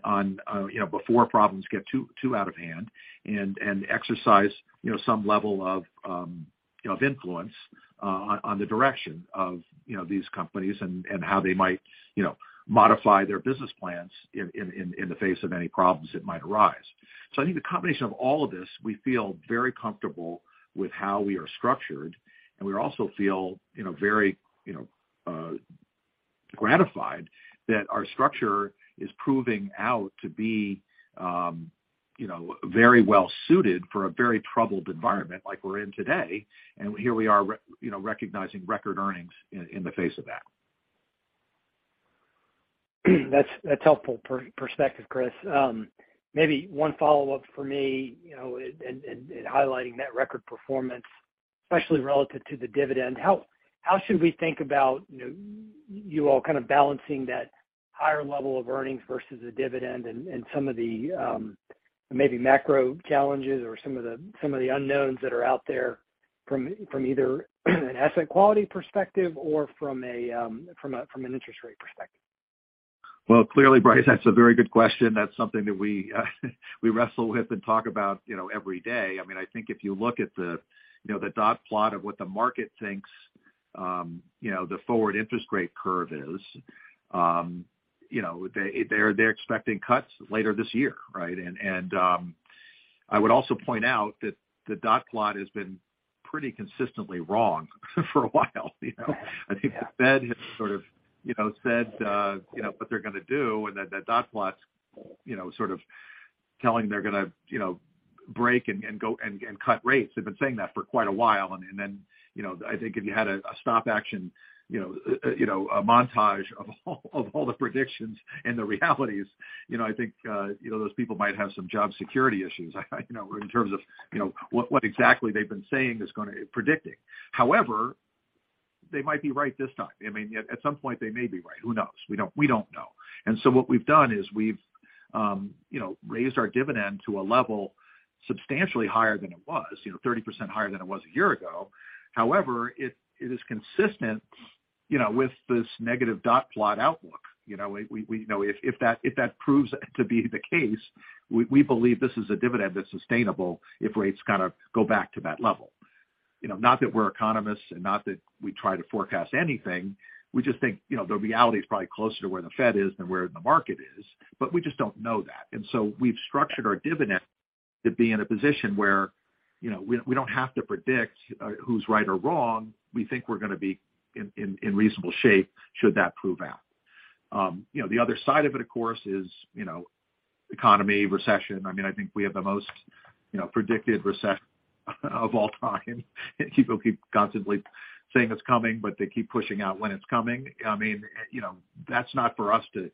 you know, before problems get too out of hand and exercise, you know, some level of, you know, of influence, on the direction of, you know, these companies and how they might, you know, modify their business plans in the face of any problems that might arise. I think the combination of all of this, we feel very comfortable with how we are structured, and we also feel, you know, very, you know, gratified that our structure is proving out to be, you know, very well suited for a very troubled environment like we're in today. Here we are you know, recognizing record earnings in the face of that. That's helpful perspective, Chris. Maybe one follow-up for me, you know, in highlighting that record performance, especially relative to the dividend. How should we think about, you know, you all kind of balancing that higher level of earnings versus the dividend and some of the maybe macro challenges or some of the unknowns that are out there from either an asset quality perspective or from an interest rate perspective? Well, clearly, Bryce, that's a very good question. That's something that we wrestle with and talk about, you know, every day. I mean, I think if you look at the, you know, the dot plot of what the market thinks, you know, the forward interest rate curve is, you know, they're expecting cuts later this year, right? I would also point out that the dot plot has been pretty consistently wrong for a while, you know. I think the Fed has sort of, you know, said, you know, what they're gonna do and that the dot plot's, you know, sort of telling they're gonna, you know, break and go and cut rates. They've been saying that for quite a while. You know, I think if you had a stop action, you know, you know, a montage of all, of all the predictions and the realities, you know, I think, you know, those people might have some job security issues, you know, in terms of, you know, what exactly they've been saying is predicting. However, they might be right this time. I mean, at some point they may be right. Who knows? We don't know. What we've done is we've, you know, raised our dividend to a level substantially higher than it was, you know, 30% higher than it was a year ago. However, it is consistent, you know, with this negative dot plot outlook. You know, we, you know, if that proves to be the case, we believe this is a dividend that's sustainable if rates kind of go back to that level. You know, not that we're economists and not that we try to forecast anything. We just think, you know, the reality is probably closer to where the Fed is than where the market is, we just don't know that. We've structured our dividend to be in a position where, you know, we don't have to predict who's right or wrong. We think we're gonna be in reasonable shape should that prove out. You know, the other side of it, of course, is, you know, economy, recession. I mean, I think we have the most, you know, predicted recession of all time. People keep constantly saying it's coming, but they keep pushing out when it's coming. I mean, you know, that's not for us to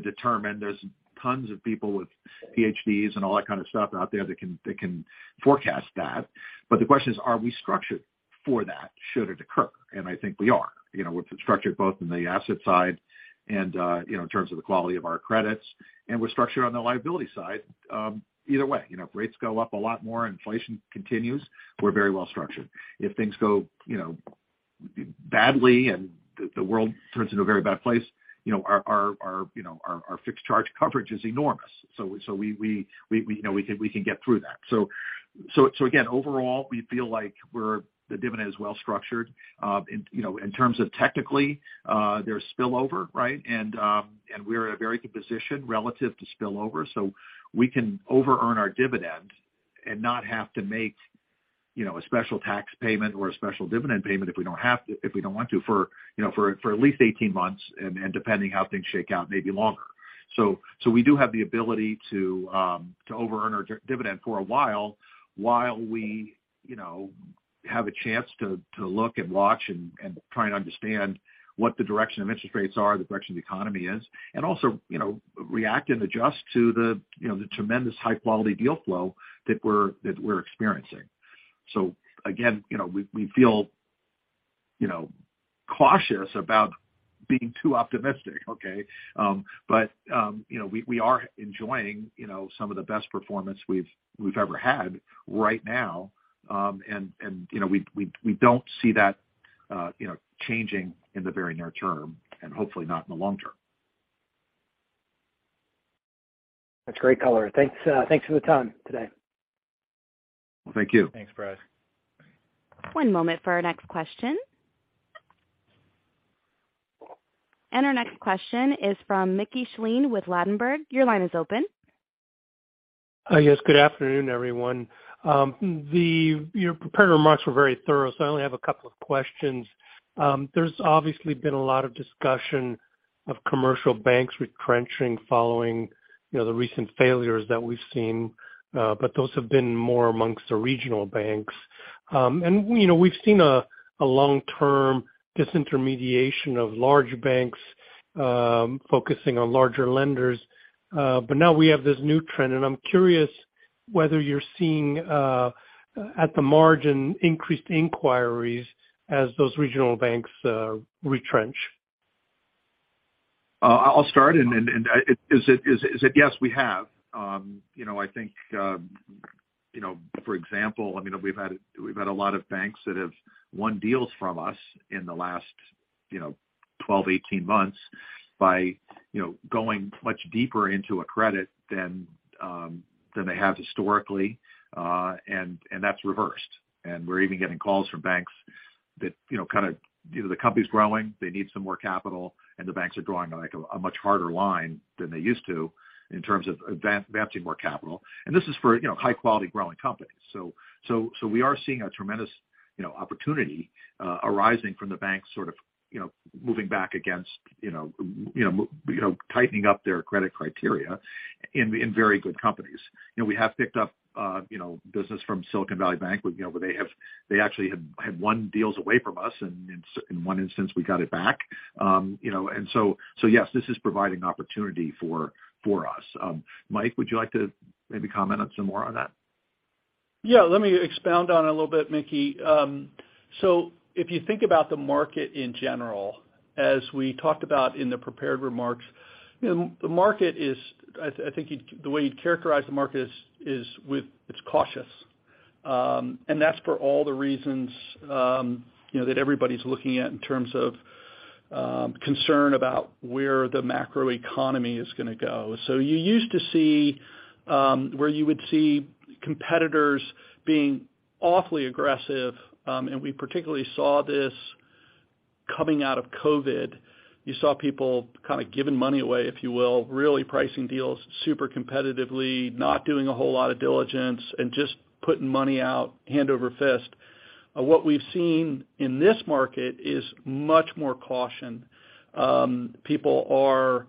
determine. There's tons of people with PhDs and all that kind of stuff out there that can forecast that. The question is, are we structured for that should it occur? I think we are. You know, we're structured both in the asset side and, you know, in terms of the quality of our credits, and we're structured on the liability side. Either way, you know, if rates go up a lot more and inflation continues, we're very well structured. If things go, you know, badly and the world turns into a very bad place, you know, our fixed charge coverage is enormous. We, you know, we can get through that. Again, overall, we feel like the dividend is well structured. In, you know, in terms of technically, there's spillover, right? We're in a very good position relative to spillover. We can over earn our dividend and not have to make, you know, a special tax payment or a special dividend payment if we don't have to, if we don't want to for, you know, for at least 18 months and, depending how things shake out, maybe longer. We do have the ability to over earn our dividend for a while we, you know, have a chance to look and watch and try and understand what the direction of interest rates are, the direction of the economy is, and also, you know, react and adjust to the, you know, the tremendous high-quality deal flow that we're experiencing. Again, you know, we feel, you know, cautious about being too optimistic, okay? You know, we are enjoying, you know, some of the best performance we've ever had right now. You know, we don't see that, you know, changing in the very near term and hopefully not in the long term. That's great color. Thanks, thanks for the time today. Thank you. Thanks, Bryce. One moment for our next question. Our next question is from Mickey Schleien with Ladenburg. Your line is open. Yes, good afternoon, everyone. Your prepared remarks were very thorough, so I only have a couple of questions. There's obviously been a lot of discussion of commercial banks retrenching following, you know, the recent failures that we've seen, but those have been more amongst the regional banks. You know, we've seen a long-term disintermediation of large banks, focusing on larger lenders. Now we have this new trend, and I'm curious whether you're seeing at the margin increased inquiries as those regional banks retrench. I'll start, yes, we have. You know, I think, you know, for example, I mean, we've had a lot of banks that have won deals from us in the last, you know, 12, 18 months by, you know, going much deeper into a credit than than they have historically, and that's reversed. We're even getting calls from banks that, you know, kind of, you know, the company's growing, they need some more capital, and the banks are drawing like a much harder line than they used to in terms of advancing more capital. This is for, you know, high quality growing companies. We are seeing a tremendous, you know, opportunity arising from the banks sort of, you know, moving back against, you know, tightening up their credit criteria in very good companies. You know, we have picked up, you know, business from Silicon Valley Bank, you know, where they actually had won deals away from us, and in one instance, we got it back. You know, so yes, this is providing opportunity for us. Mike, would you like to maybe comment on some more on that? Yeah, let me expound on it a little bit, Mickey. If you think about the market in general, as we talked about in the prepared remarks, you know, the market is, the way you'd characterize the market is with, it's cautious. That's for all the reasons, you know, that everybody's looking at in terms of concern about where the macroeconomy is gonna go. You used to see where you would see competitors being awfully aggressive, we particularly saw this coming out of COVID. You saw people kind of giving money away, if you will, really pricing deals super competitively, not doing a whole lot of diligence, and just putting money out hand over fist. What we've seen in this market is much more caution. People are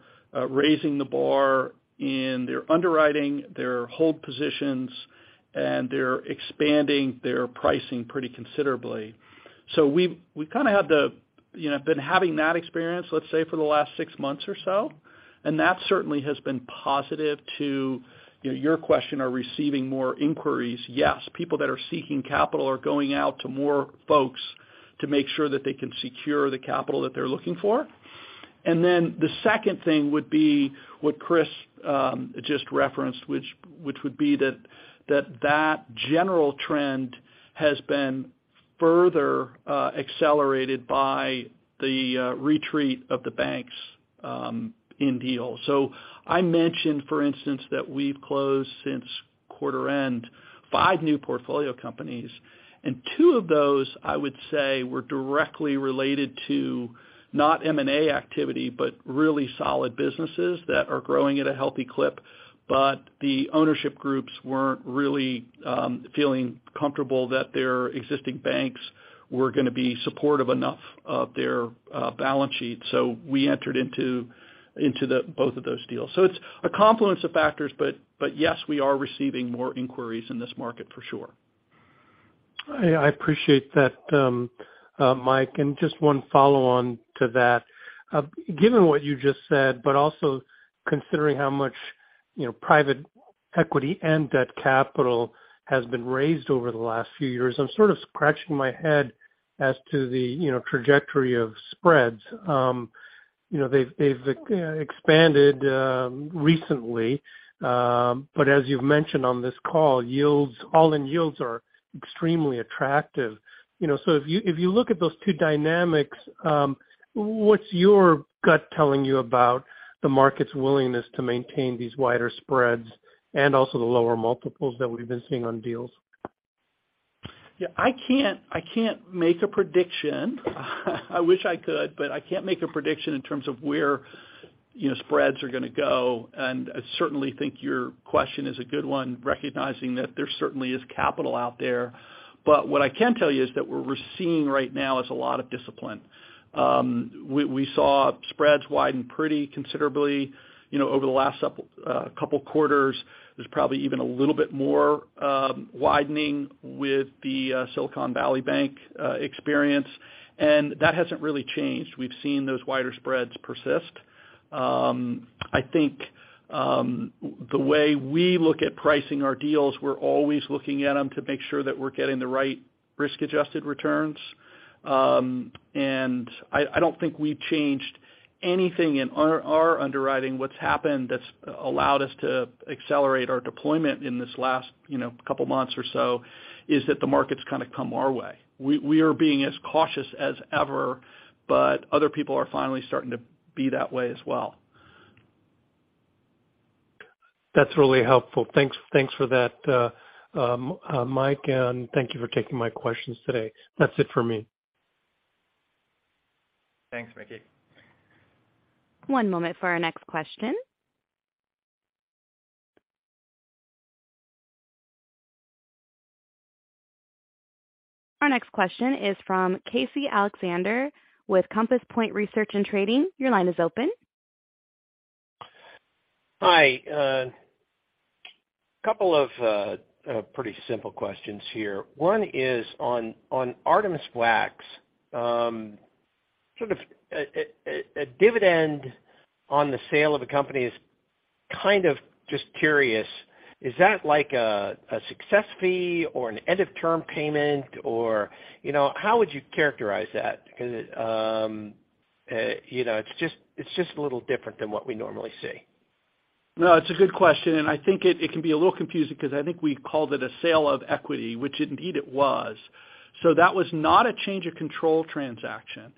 raising the bar in their underwriting, their hold positions, and they're expanding their pricing pretty considerably. We've kind of had the, you know, been having that experience, let's say, for the last six months or so, and that certainly has been positive to, you know, your question, are receiving more inquiries. Yes, people that are seeking capital are going out to more folks to make sure that they can secure the capital that they're looking for. The second thing would be what Chris just referenced, which would be that general trend has been further accelerated by the retreat of the banks in deals. I mentioned, for instance, that we've closed since quarter end five new portfolio companies. Two of those, I would say, were directly related to not M&A activity, but really solid businesses that are growing at a healthy clip. The ownership groups weren't really feeling comfortable that their existing banks were gonna be supportive enough of their balance sheet. We entered into the both of those deals. It's a confluence of factors. Yes, we are receiving more inquiries in this market for sure. I appreciate that, Mike. Just one follow-on to that. Given what you just said, but also considering how much, you know, private equity and debt capital has been raised over the last few years, I'm sort of scratching my head as to the, you know, trajectory of spreads. You know, they've expanded recently. As you've mentioned on this call, yields, all-in yields are extremely attractive. You know, if you, if you look at those two dynamics, what's your gut telling you about the market's willingness to maintain these wider spreads and also the lower multiples that we've been seeing on deals? Yeah, I can't, I can't make a prediction. I wish I could, but I can't make a prediction in terms of where, you know, spreads are gonna go. I certainly think your question is a good one, recognizing that there certainly is capital out there. What I can tell you is that what we're seeing right now is a lot of discipline. We saw spreads widen pretty considerably, you know, over the last couple quarters. There's probably even a little bit more widening with the Silicon Valley Bank experience, and that hasn't really changed. We've seen those wider spreads persist. I think the way we look at pricing our deals, we're always looking at them to make sure that we're getting the right risk-adjusted returns. I don't think we've changed anything in our underwriting. What's happened that's allowed us to accelerate our deployment in this last, you know, couple months or so, is that the market's kind of come our way. We are being as cautious as ever, but other people are finally starting to be that way as well. That's really helpful. Thanks, thanks for that, Mike. Thank you for taking my questions today. That's it for me. Thanks, Mickey. One moment for our next question. Our next question is from Casey Alexander with Compass Point Research and Trading. Your line is open. Hi. A couple of pretty simple questions here. One is on Artemis Wax, sort of a dividend on the sale of a company is kind of just curious, is that like a success fee or an end-of-term payment or, you know, how would you characterize that? It, you know, it's just a little different than what we normally see. It's a good question, and I think it can be a little confusing because I think we called it a sale of equity, which indeed it was. That was not a change of control transaction.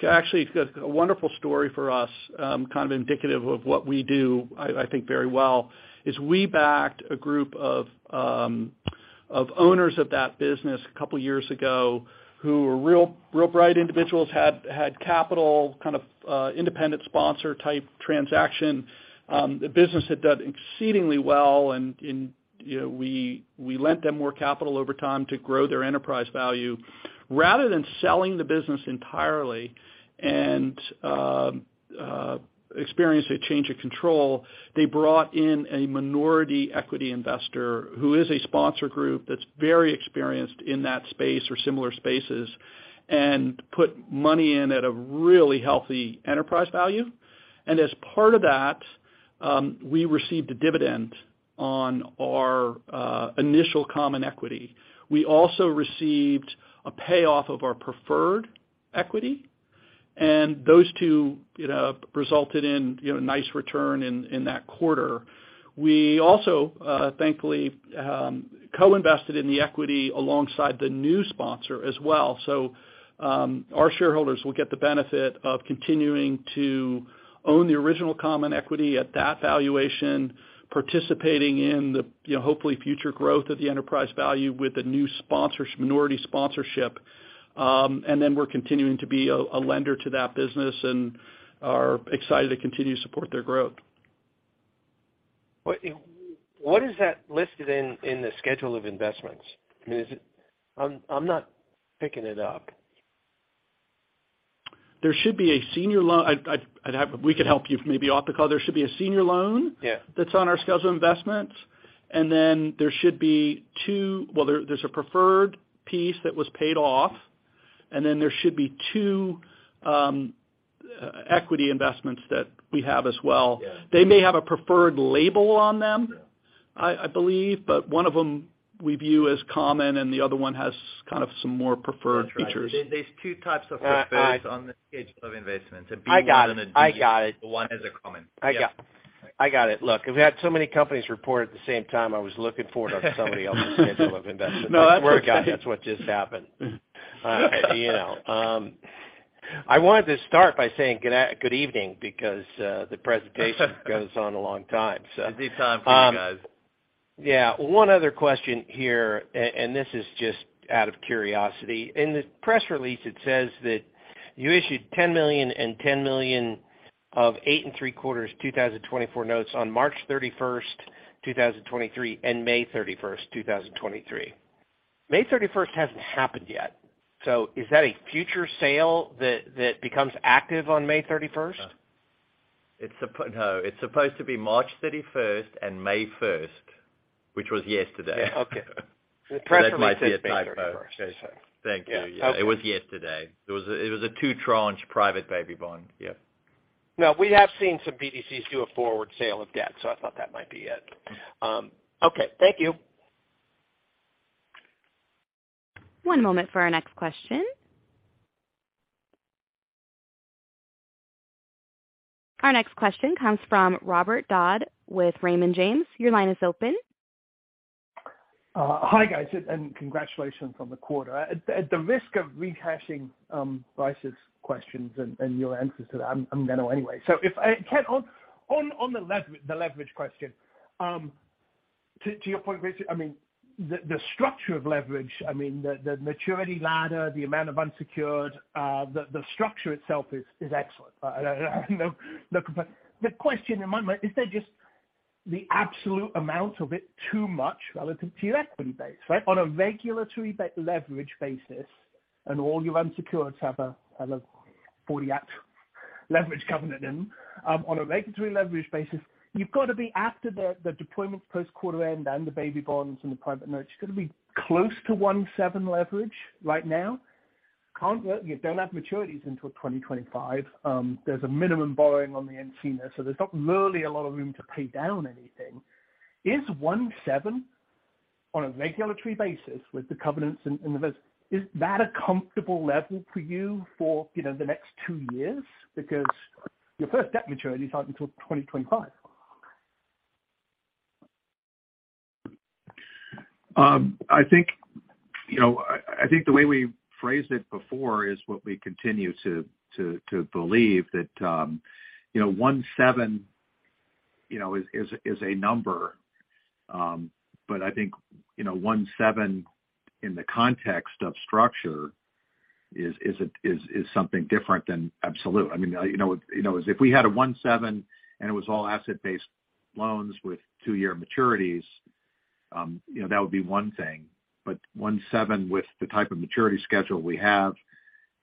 It's actually a wonderful story for us, kind of indicative of what we do, I think very well, is we backed a group of owners of that business two years ago who were real bright individuals, had capital, kind of independent sponsor-type transaction. The business had done exceedingly well and, you know, we lent them more capital over time to grow their enterprise value. Rather than selling the business entirely and experience a change of control, they brought in a minority equity investor who is a sponsor group that's very experienced in that space or similar spaces and put money in at a really healthy enterprise value. As part of that, we received a dividend on our initial common equity. We also received a payoff of our preferred equity, and those two, you know, resulted in, you know, nice return in that quarter. We also, thankfully, co-invested in the equity alongside the new sponsor as well. Our shareholders will get the benefit of continuing to own the original common equity at that valuation, participating in the, you know, hopefully future growth of the enterprise value with the new minority sponsorship. Then we're continuing to be a lender to that business and are excited to continue to support their growth. What is that listed in the schedule of investments? I mean, is it... I'm not picking it up. There should be a senior loan. We could help you maybe off the call. There should be a senior loan. Yeah. that's on our schedule of investments. Then there should be two... Well, there's a preferred piece that was paid off, and then there should be two equity investments that we have as well. Yeah. They may have a preferred label on them... Yeah. I believe, one of them we view as common and the other one has kind of some more preferred features. That's right. There's two types of. Uh, I- on the schedule of investments. A B 1 and a D. I got it. One is a common. I got it. I got it. Look, we've had so many companies report at the same time. I was looking for it on somebody else's schedule of investments. No, that's okay. That's what just happened. You know. I wanted to start by saying good evening because, the presentation goes on a long time, so. Easy time for you guys. Yeah. One other question here, and this is just out of curiosity. In the press release, it says that you issued $10 million and $10 million of 8.75% 2024 notes on March 31, 2023 and May 31, 2023. May 31 hasn't happened yet. Is that a future sale that becomes active on May 31? No. It's supposed to be March 31st and May 1st, which was yesterday. Okay. That might be a typo. The press release says May 31st. Thank you. Yeah. Okay. It was yesterday. It was a 2-tranche private baby bond. Yeah. No, we have seen some BDCs do a forward sale of debt, so I thought that might be it. Okay. Thank you. One moment for our next question. Our next question comes from Robert Dodd with Raymond James. Your line is open. Hi, guys, congratulations on the quarter. At the risk of rehashing, Bryce's questions and your answers to that, I'm gonna anyway. If I can on the leverage question. To your point, basically, I mean, the structure of leverage, I mean, the maturity ladder, the amount of unsecured, the structure itself is excellent. No, the question in my mind, is there just the absolute amount of it too much relative to your equity base, right? On a regulatory leverage basis, all your unsecureds have a 40x leverage covenant in on a regulatory leverage basis, you've gotta be after the deployments post quarter end and the baby bonds and the private notes. You've gotta be close to 1.7 leverage right now. You don't have maturities until 2025. There's a minimum borrowing on the Encina, so there's not really a lot of room to pay down anything. Is 1.7 on a regulatory basis with the covenants in the business, is that a comfortable level for you for, you know, the next two years? Because your first debt maturity isn't until 2025. I think, you know, I think the way we phrased it before is what we continue to believe that, you know, one seven is a number. I think, you know, one seven in the context of structure is something different than absolute. I mean, you know, as if we had a one seven and it was all asset-based loans with 2-year maturities, you know, that would be one thing. One seven with the type of maturity schedule we have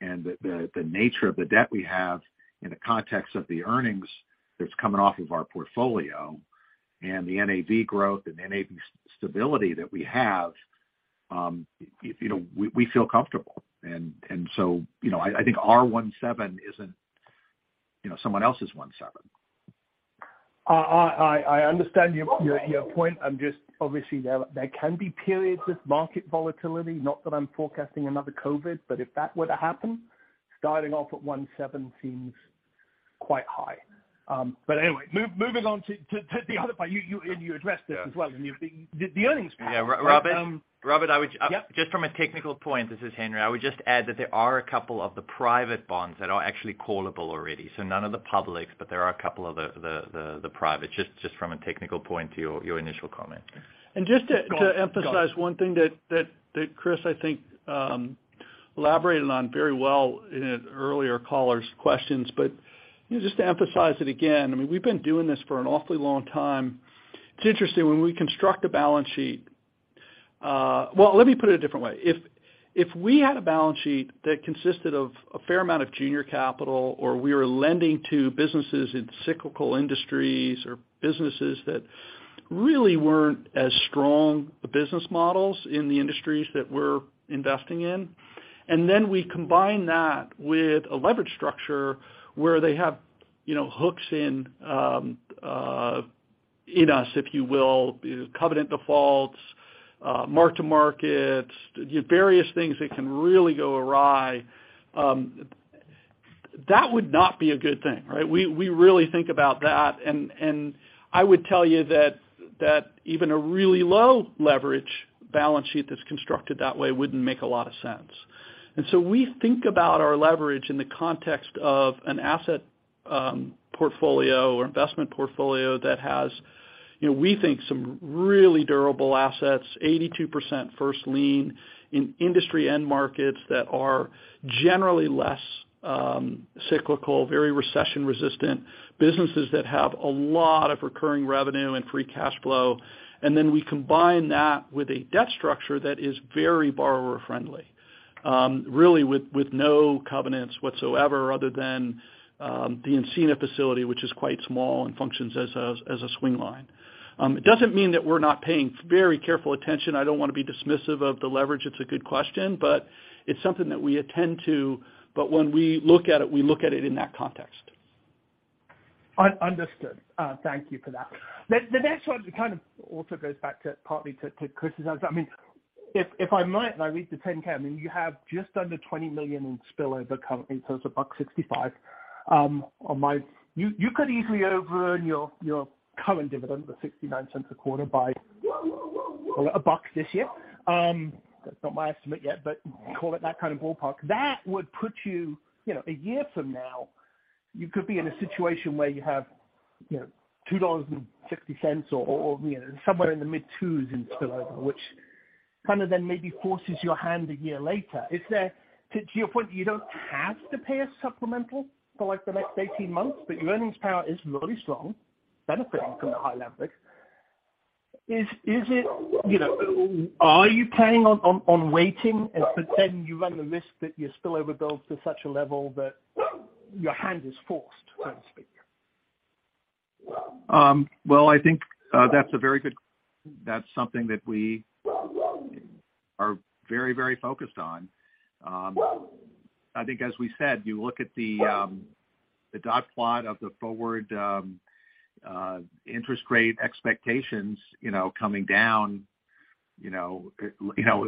and the nature of the debt we have in the context of the earnings that's coming off of our portfolio and the NAV growth and NAV stability that we have, you know, we feel comfortable. you know, I think our 1.7 isn't, you know, someone else's 1.7. I understand your point. Obviously, there can be periods with market volatility. Not that I'm forecasting another COVID, but if that were to happen, starting off at 1.7 seems quite high. Anyway, moving on to the other part. You addressed this as well. Yeah. The earnings power. Yeah, Robert. Yeah. Just from a technical point, this is Henry. I would just add that there are a couple of the private bonds that are actually callable already. None of the public's, but there are a couple of the private, just from a technical point to your initial comment. just. Go on. To emphasize one thing that Chris, I think, elaborated on very well in an earlier caller's questions. Just to emphasize it again, I mean, we've been doing this for an awfully long time. It's interesting when we construct a balance sheet. Well, let me put it a different way. If we had a balance sheet that consisted of a fair amount of junior capital, or we were lending to businesses in cyclical industries or businesses that really weren't as strong the business models in the industries that we're investing in, and then we combine that with a leverage structure where they have, you know, hooks in us, if you will, covenant defaults, mark to markets, you know, various things that can really go awry, that would not be a good thing, right? We really think about that. I would tell you that even a really low leverage balance sheet that's constructed that way wouldn't make a lot of sense. We think about our leverage in the context of an asset portfolio or investment portfolio that has, you know, we think some really durable assets, 82% first lien in industry end markets that are generally less cyclical, very recession resistant, businesses that have a lot of recurring revenue and free cash flow. We combine that with a debt structure that is very borrower friendly, really with no covenants whatsoever other than the Encina facility, which is quite small and functions as a swing line. It doesn't mean that we're not paying very careful attention. I don't wanna be dismissive of the leverage. It's a good question, but it's something that we attend to. When we look at it, we look at it in that context. Thank you for that. The next one kind of also goes back to, partly to Chris' answer. I mean, if I might, and I read the 10-K, I mean, you have just under $20 million in spill over currently, so it's $1.65. You could easily over earn your current dividend of $0.69 a quarter by call it $1 this year. That's not my estimate yet, call it that kind of ballpark. That would put you know, a year from now, you could be in a situation where you have, you know, $2.60 or, you know, somewhere in the mid-$2s in spill over, kind of then maybe forces your hand a year later. Is there, to your point, you don't have to pay a supplemental for like the next 18 months, but your earnings power is really strong, benefiting from the high leverage. Is it, you know, are you planning on waiting, but then you run the risk that your spill over builds to such a level that your hand is forced, so to speak? Well, I think that's something that we are very, very focused on. I think as we said, you look at the dot plot of the forward interest rate expectations, you know, coming down, you know,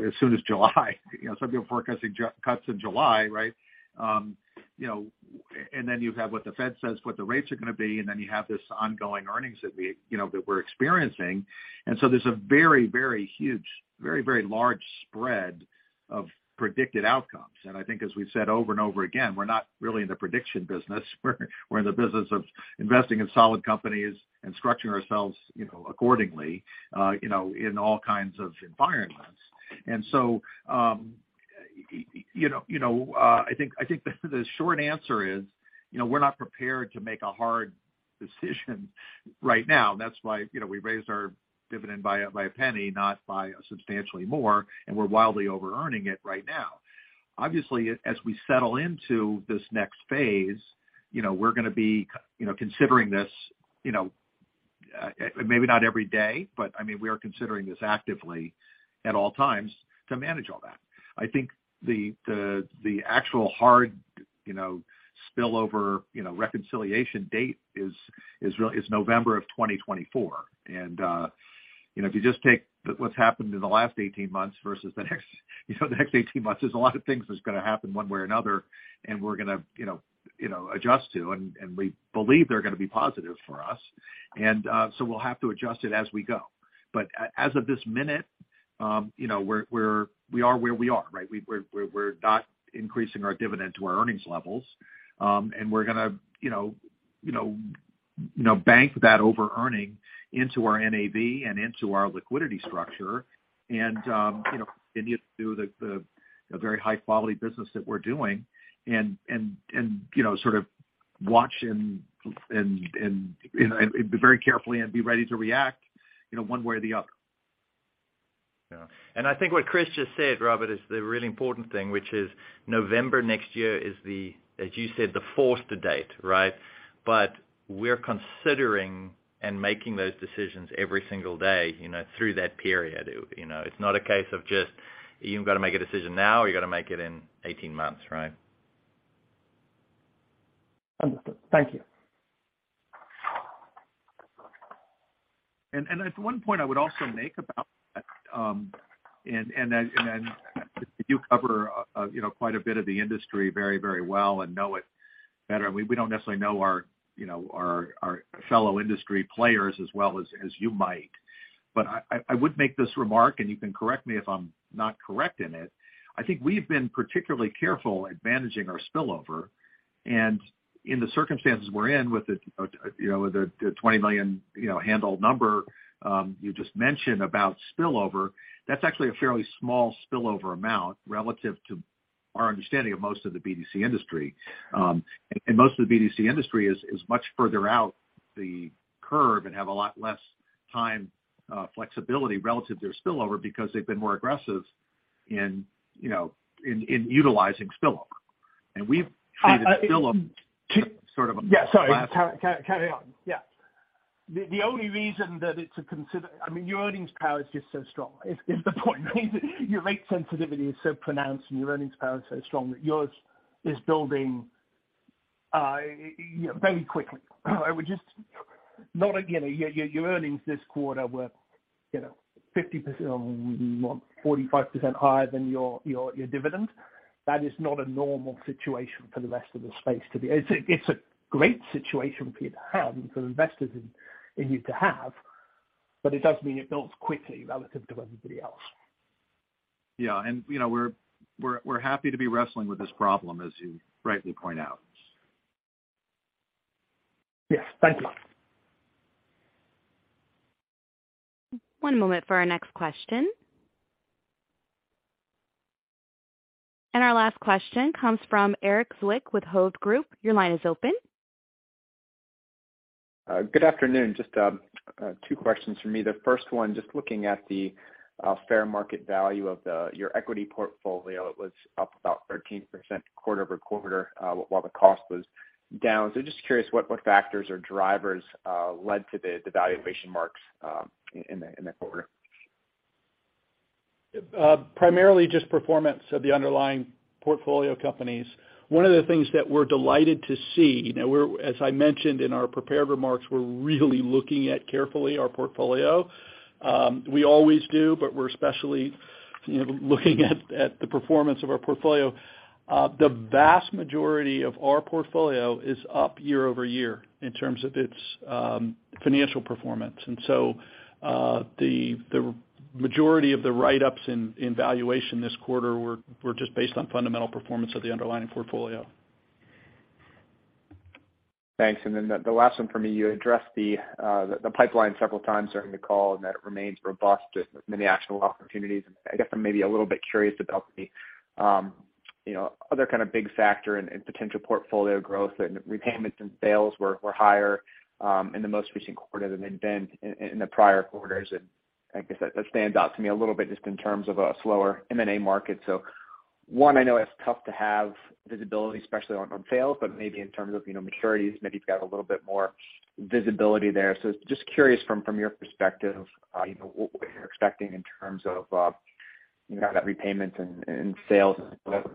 as soon as July. You know, some people forecasting cuts in July, right? You know, and then you have what the Fed says, what the rates are gonna be, and then you have this ongoing earnings that we, you know, that we're experiencing. There's a very, very huge, very, very large spread of predicted outcomes. I think as we've said over and over again, we're not really in the prediction business. We're in the business of investing in solid companies and structuring ourselves, you know, accordingly, you know, in all kinds of environments. And so, um- You know, I think the short answer is, you know, we're not prepared to make a hard decision right now. That's why, you know, we raised our dividend by a $0.01, not by substantially more, and we're wildly overearning it right now. Obviously, as we settle into this next phase, you know, we're gonna be considering this, you know, maybe not every day, but I mean, we are considering this actively at all times to manage all that. I think the actual hard, you know, spillover, you know, reconciliation date is November 2024. You know, if you just take what's happened in the last 18 months versus the next 18 months, there's a lot of things that's gonna happen one way or another. we're gonna, you know, adjust to, and we believe they're gonna be positive for us. We'll have to adjust it as we go. as of this minute, you know, we're, we are where we are, right? We're not increasing our dividend to our earnings levels. we're gonna, you know, bank that overearning into our NAV and into our liquidity structure. you know, continue to do the very high-quality business that we're doing and, you know, sort of watch and be very carefully and be ready to react, you know, one way or the other. Yeah. I think what Chris just said, Robert, is the really important thing, which is November next year is the, as you said, the forced date, right? We're considering and making those decisions every single day, you know, through that period. You know, it's not a case of just, you've gotta make a decision now or you gotta make it in 18 months, right? Understood. Thank you. One point I would also make about that, and then you cover, you know, quite a bit of the industry very, very well and know it better. We don't necessarily know our, you know, our fellow industry players as well as you might. I would make this remark, and you can correct me if I'm not correct in it. I think we've been particularly careful at managing our spillover. In the circumstances we're in with the, you know, the $20 million, you know, handle number, you just mentioned about spillover. That's actually a fairly small spillover amount relative to our understanding of most of the BDC industry. Most of the BDC industry is much further out the curve and have a lot less time flexibility relative to their spillover because they've been more aggressive in utilizing spillover. We've treated spillover sort of Yeah, sorry. Carry on. Yeah. The only reason that it's I mean, your earnings power is just so strong is the point. Your rate sensitivity is so pronounced and your earnings power is so strong that yours is building, you know, very quickly. Not again, your earnings this quarter were, you know, 50%, 45% higher than your dividend. That is not a normal situation for the rest of the space to be. It's a great situation for you to have and for investors in you to have, but it does mean it builds quickly relative to everybody else. Yeah. you know, we're happy to be wrestling with this problem, as you rightly point out. Yes. Thank you. One moment for our next question. Our last question comes from Erik Zwick with Hovde Group. Your line is open. Good afternoon. Just two questions from me. The first one, just looking at the fair market value of your equity portfolio, it was up about 13% quarter-over-quarter, while the cost was down. Just curious what factors or drivers led to the valuation marks in the quarter? Primarily just performance of the underlying portfolio companies. One of the things that we're delighted to see, you know, we're as I mentioned in our prepared remarks, we're really looking at carefully our portfolio. We always do, but we're especially, you know, looking at the performance of our portfolio. The vast majority of our portfolio is up year-over-year in terms of its financial performance. The majority of the write-ups in valuation this quarter were just based on fundamental performance of the underlying portfolio. Thanks. The last one for me, you addressed the pipeline several times during the call and that it remains robust with many actual opportunities. I guess I'm maybe a little bit curious about the, you know, other kind of big factor in potential portfolio growth and repayments and sales were higher in the most recent quarter than they've been in the prior quarters. Like I said, that stands out to me a little bit just in terms of a slower M&A market. One, I know it's tough to have visibility, especially on sales, but maybe in terms of, you know, maturities, maybe you've got a little bit more visibility there. Just curious from your perspective, you know, what you're expecting in terms of, you know, how that repayments and sales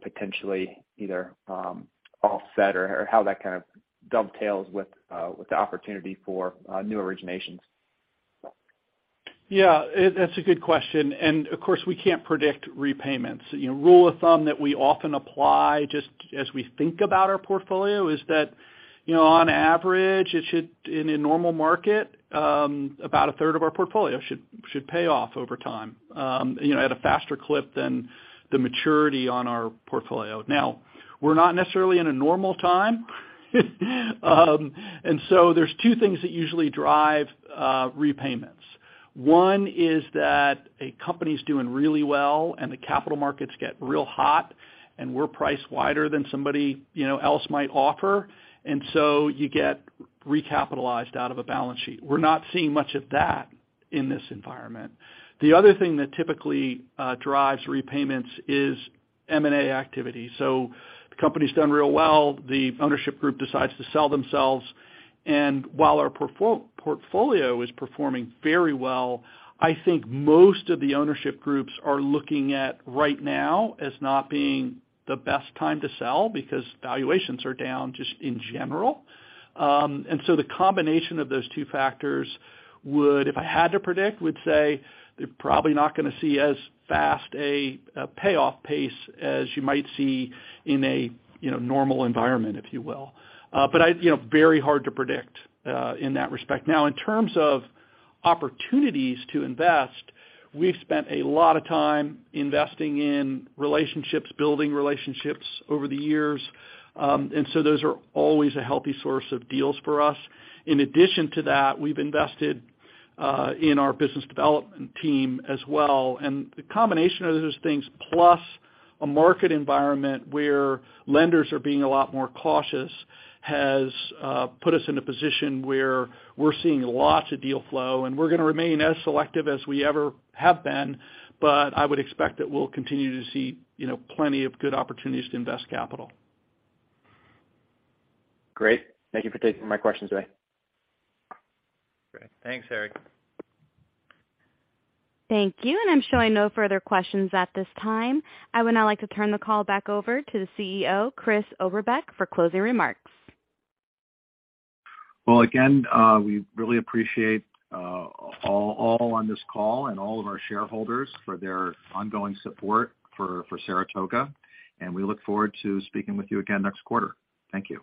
potentially either offset or how that kind of dovetails with the opportunity for new originations. Yeah, that's a good question. Of course, we can't predict repayments. You know, rule of thumb that we often apply just as we think about our portfolio is that, you know, on average, it should, in a normal market, about a third of our portfolio should pay off over time, you know, at a faster clip than the maturity on our portfolio. Now, we're not necessarily in a normal time. There's two things that usually drive repayments. One is that a company's doing really well and the capital markets get real hot, and we're priced wider than somebody, you know, else might offer. You get recapitalized out of a balance sheet. We're not seeing much of that in this environment. The other thing that typically drives repayments is M&A activity. The company's done real well. The ownership group decides to sell themselves. While our portfolio is performing very well, I think most of the ownership groups are looking at right now as not being the best time to sell because valuations are down just in general. The combination of those two factors would, if I had to predict, would say they're probably not gonna see as fast a payoff pace as you might see in a, you know, normal environment, if you will. You know, very hard to predict in that respect. Now, in terms of opportunities to invest, we've spent a lot of time investing in relationships, building relationships over the years. Those are always a healthy source of deals for us. In addition to that, we've invested in our business development team as well. The combination of those things, plus a market environment where lenders are being a lot more cautious, has put us in a position where we're seeing lots of deal flow, and we're gonna remain as selective as we ever have been. I would expect that we'll continue to see, you know, plenty of good opportunities to invest capital. Great. Thank you for taking my questions away. Great. Thanks, Erik. Thank you. I'm showing no further questions at this time. I would now like to turn the call back over to the CEO, Chris Oberbeck, for closing remarks. Well, again, we really appreciate all on this call and all of our shareholders for their ongoing support for Saratoga, and we look forward to speaking with you again next quarter. Thank you.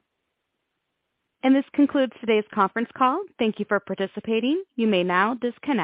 This concludes today's conference call. Thank you for participating. You may now disconnect.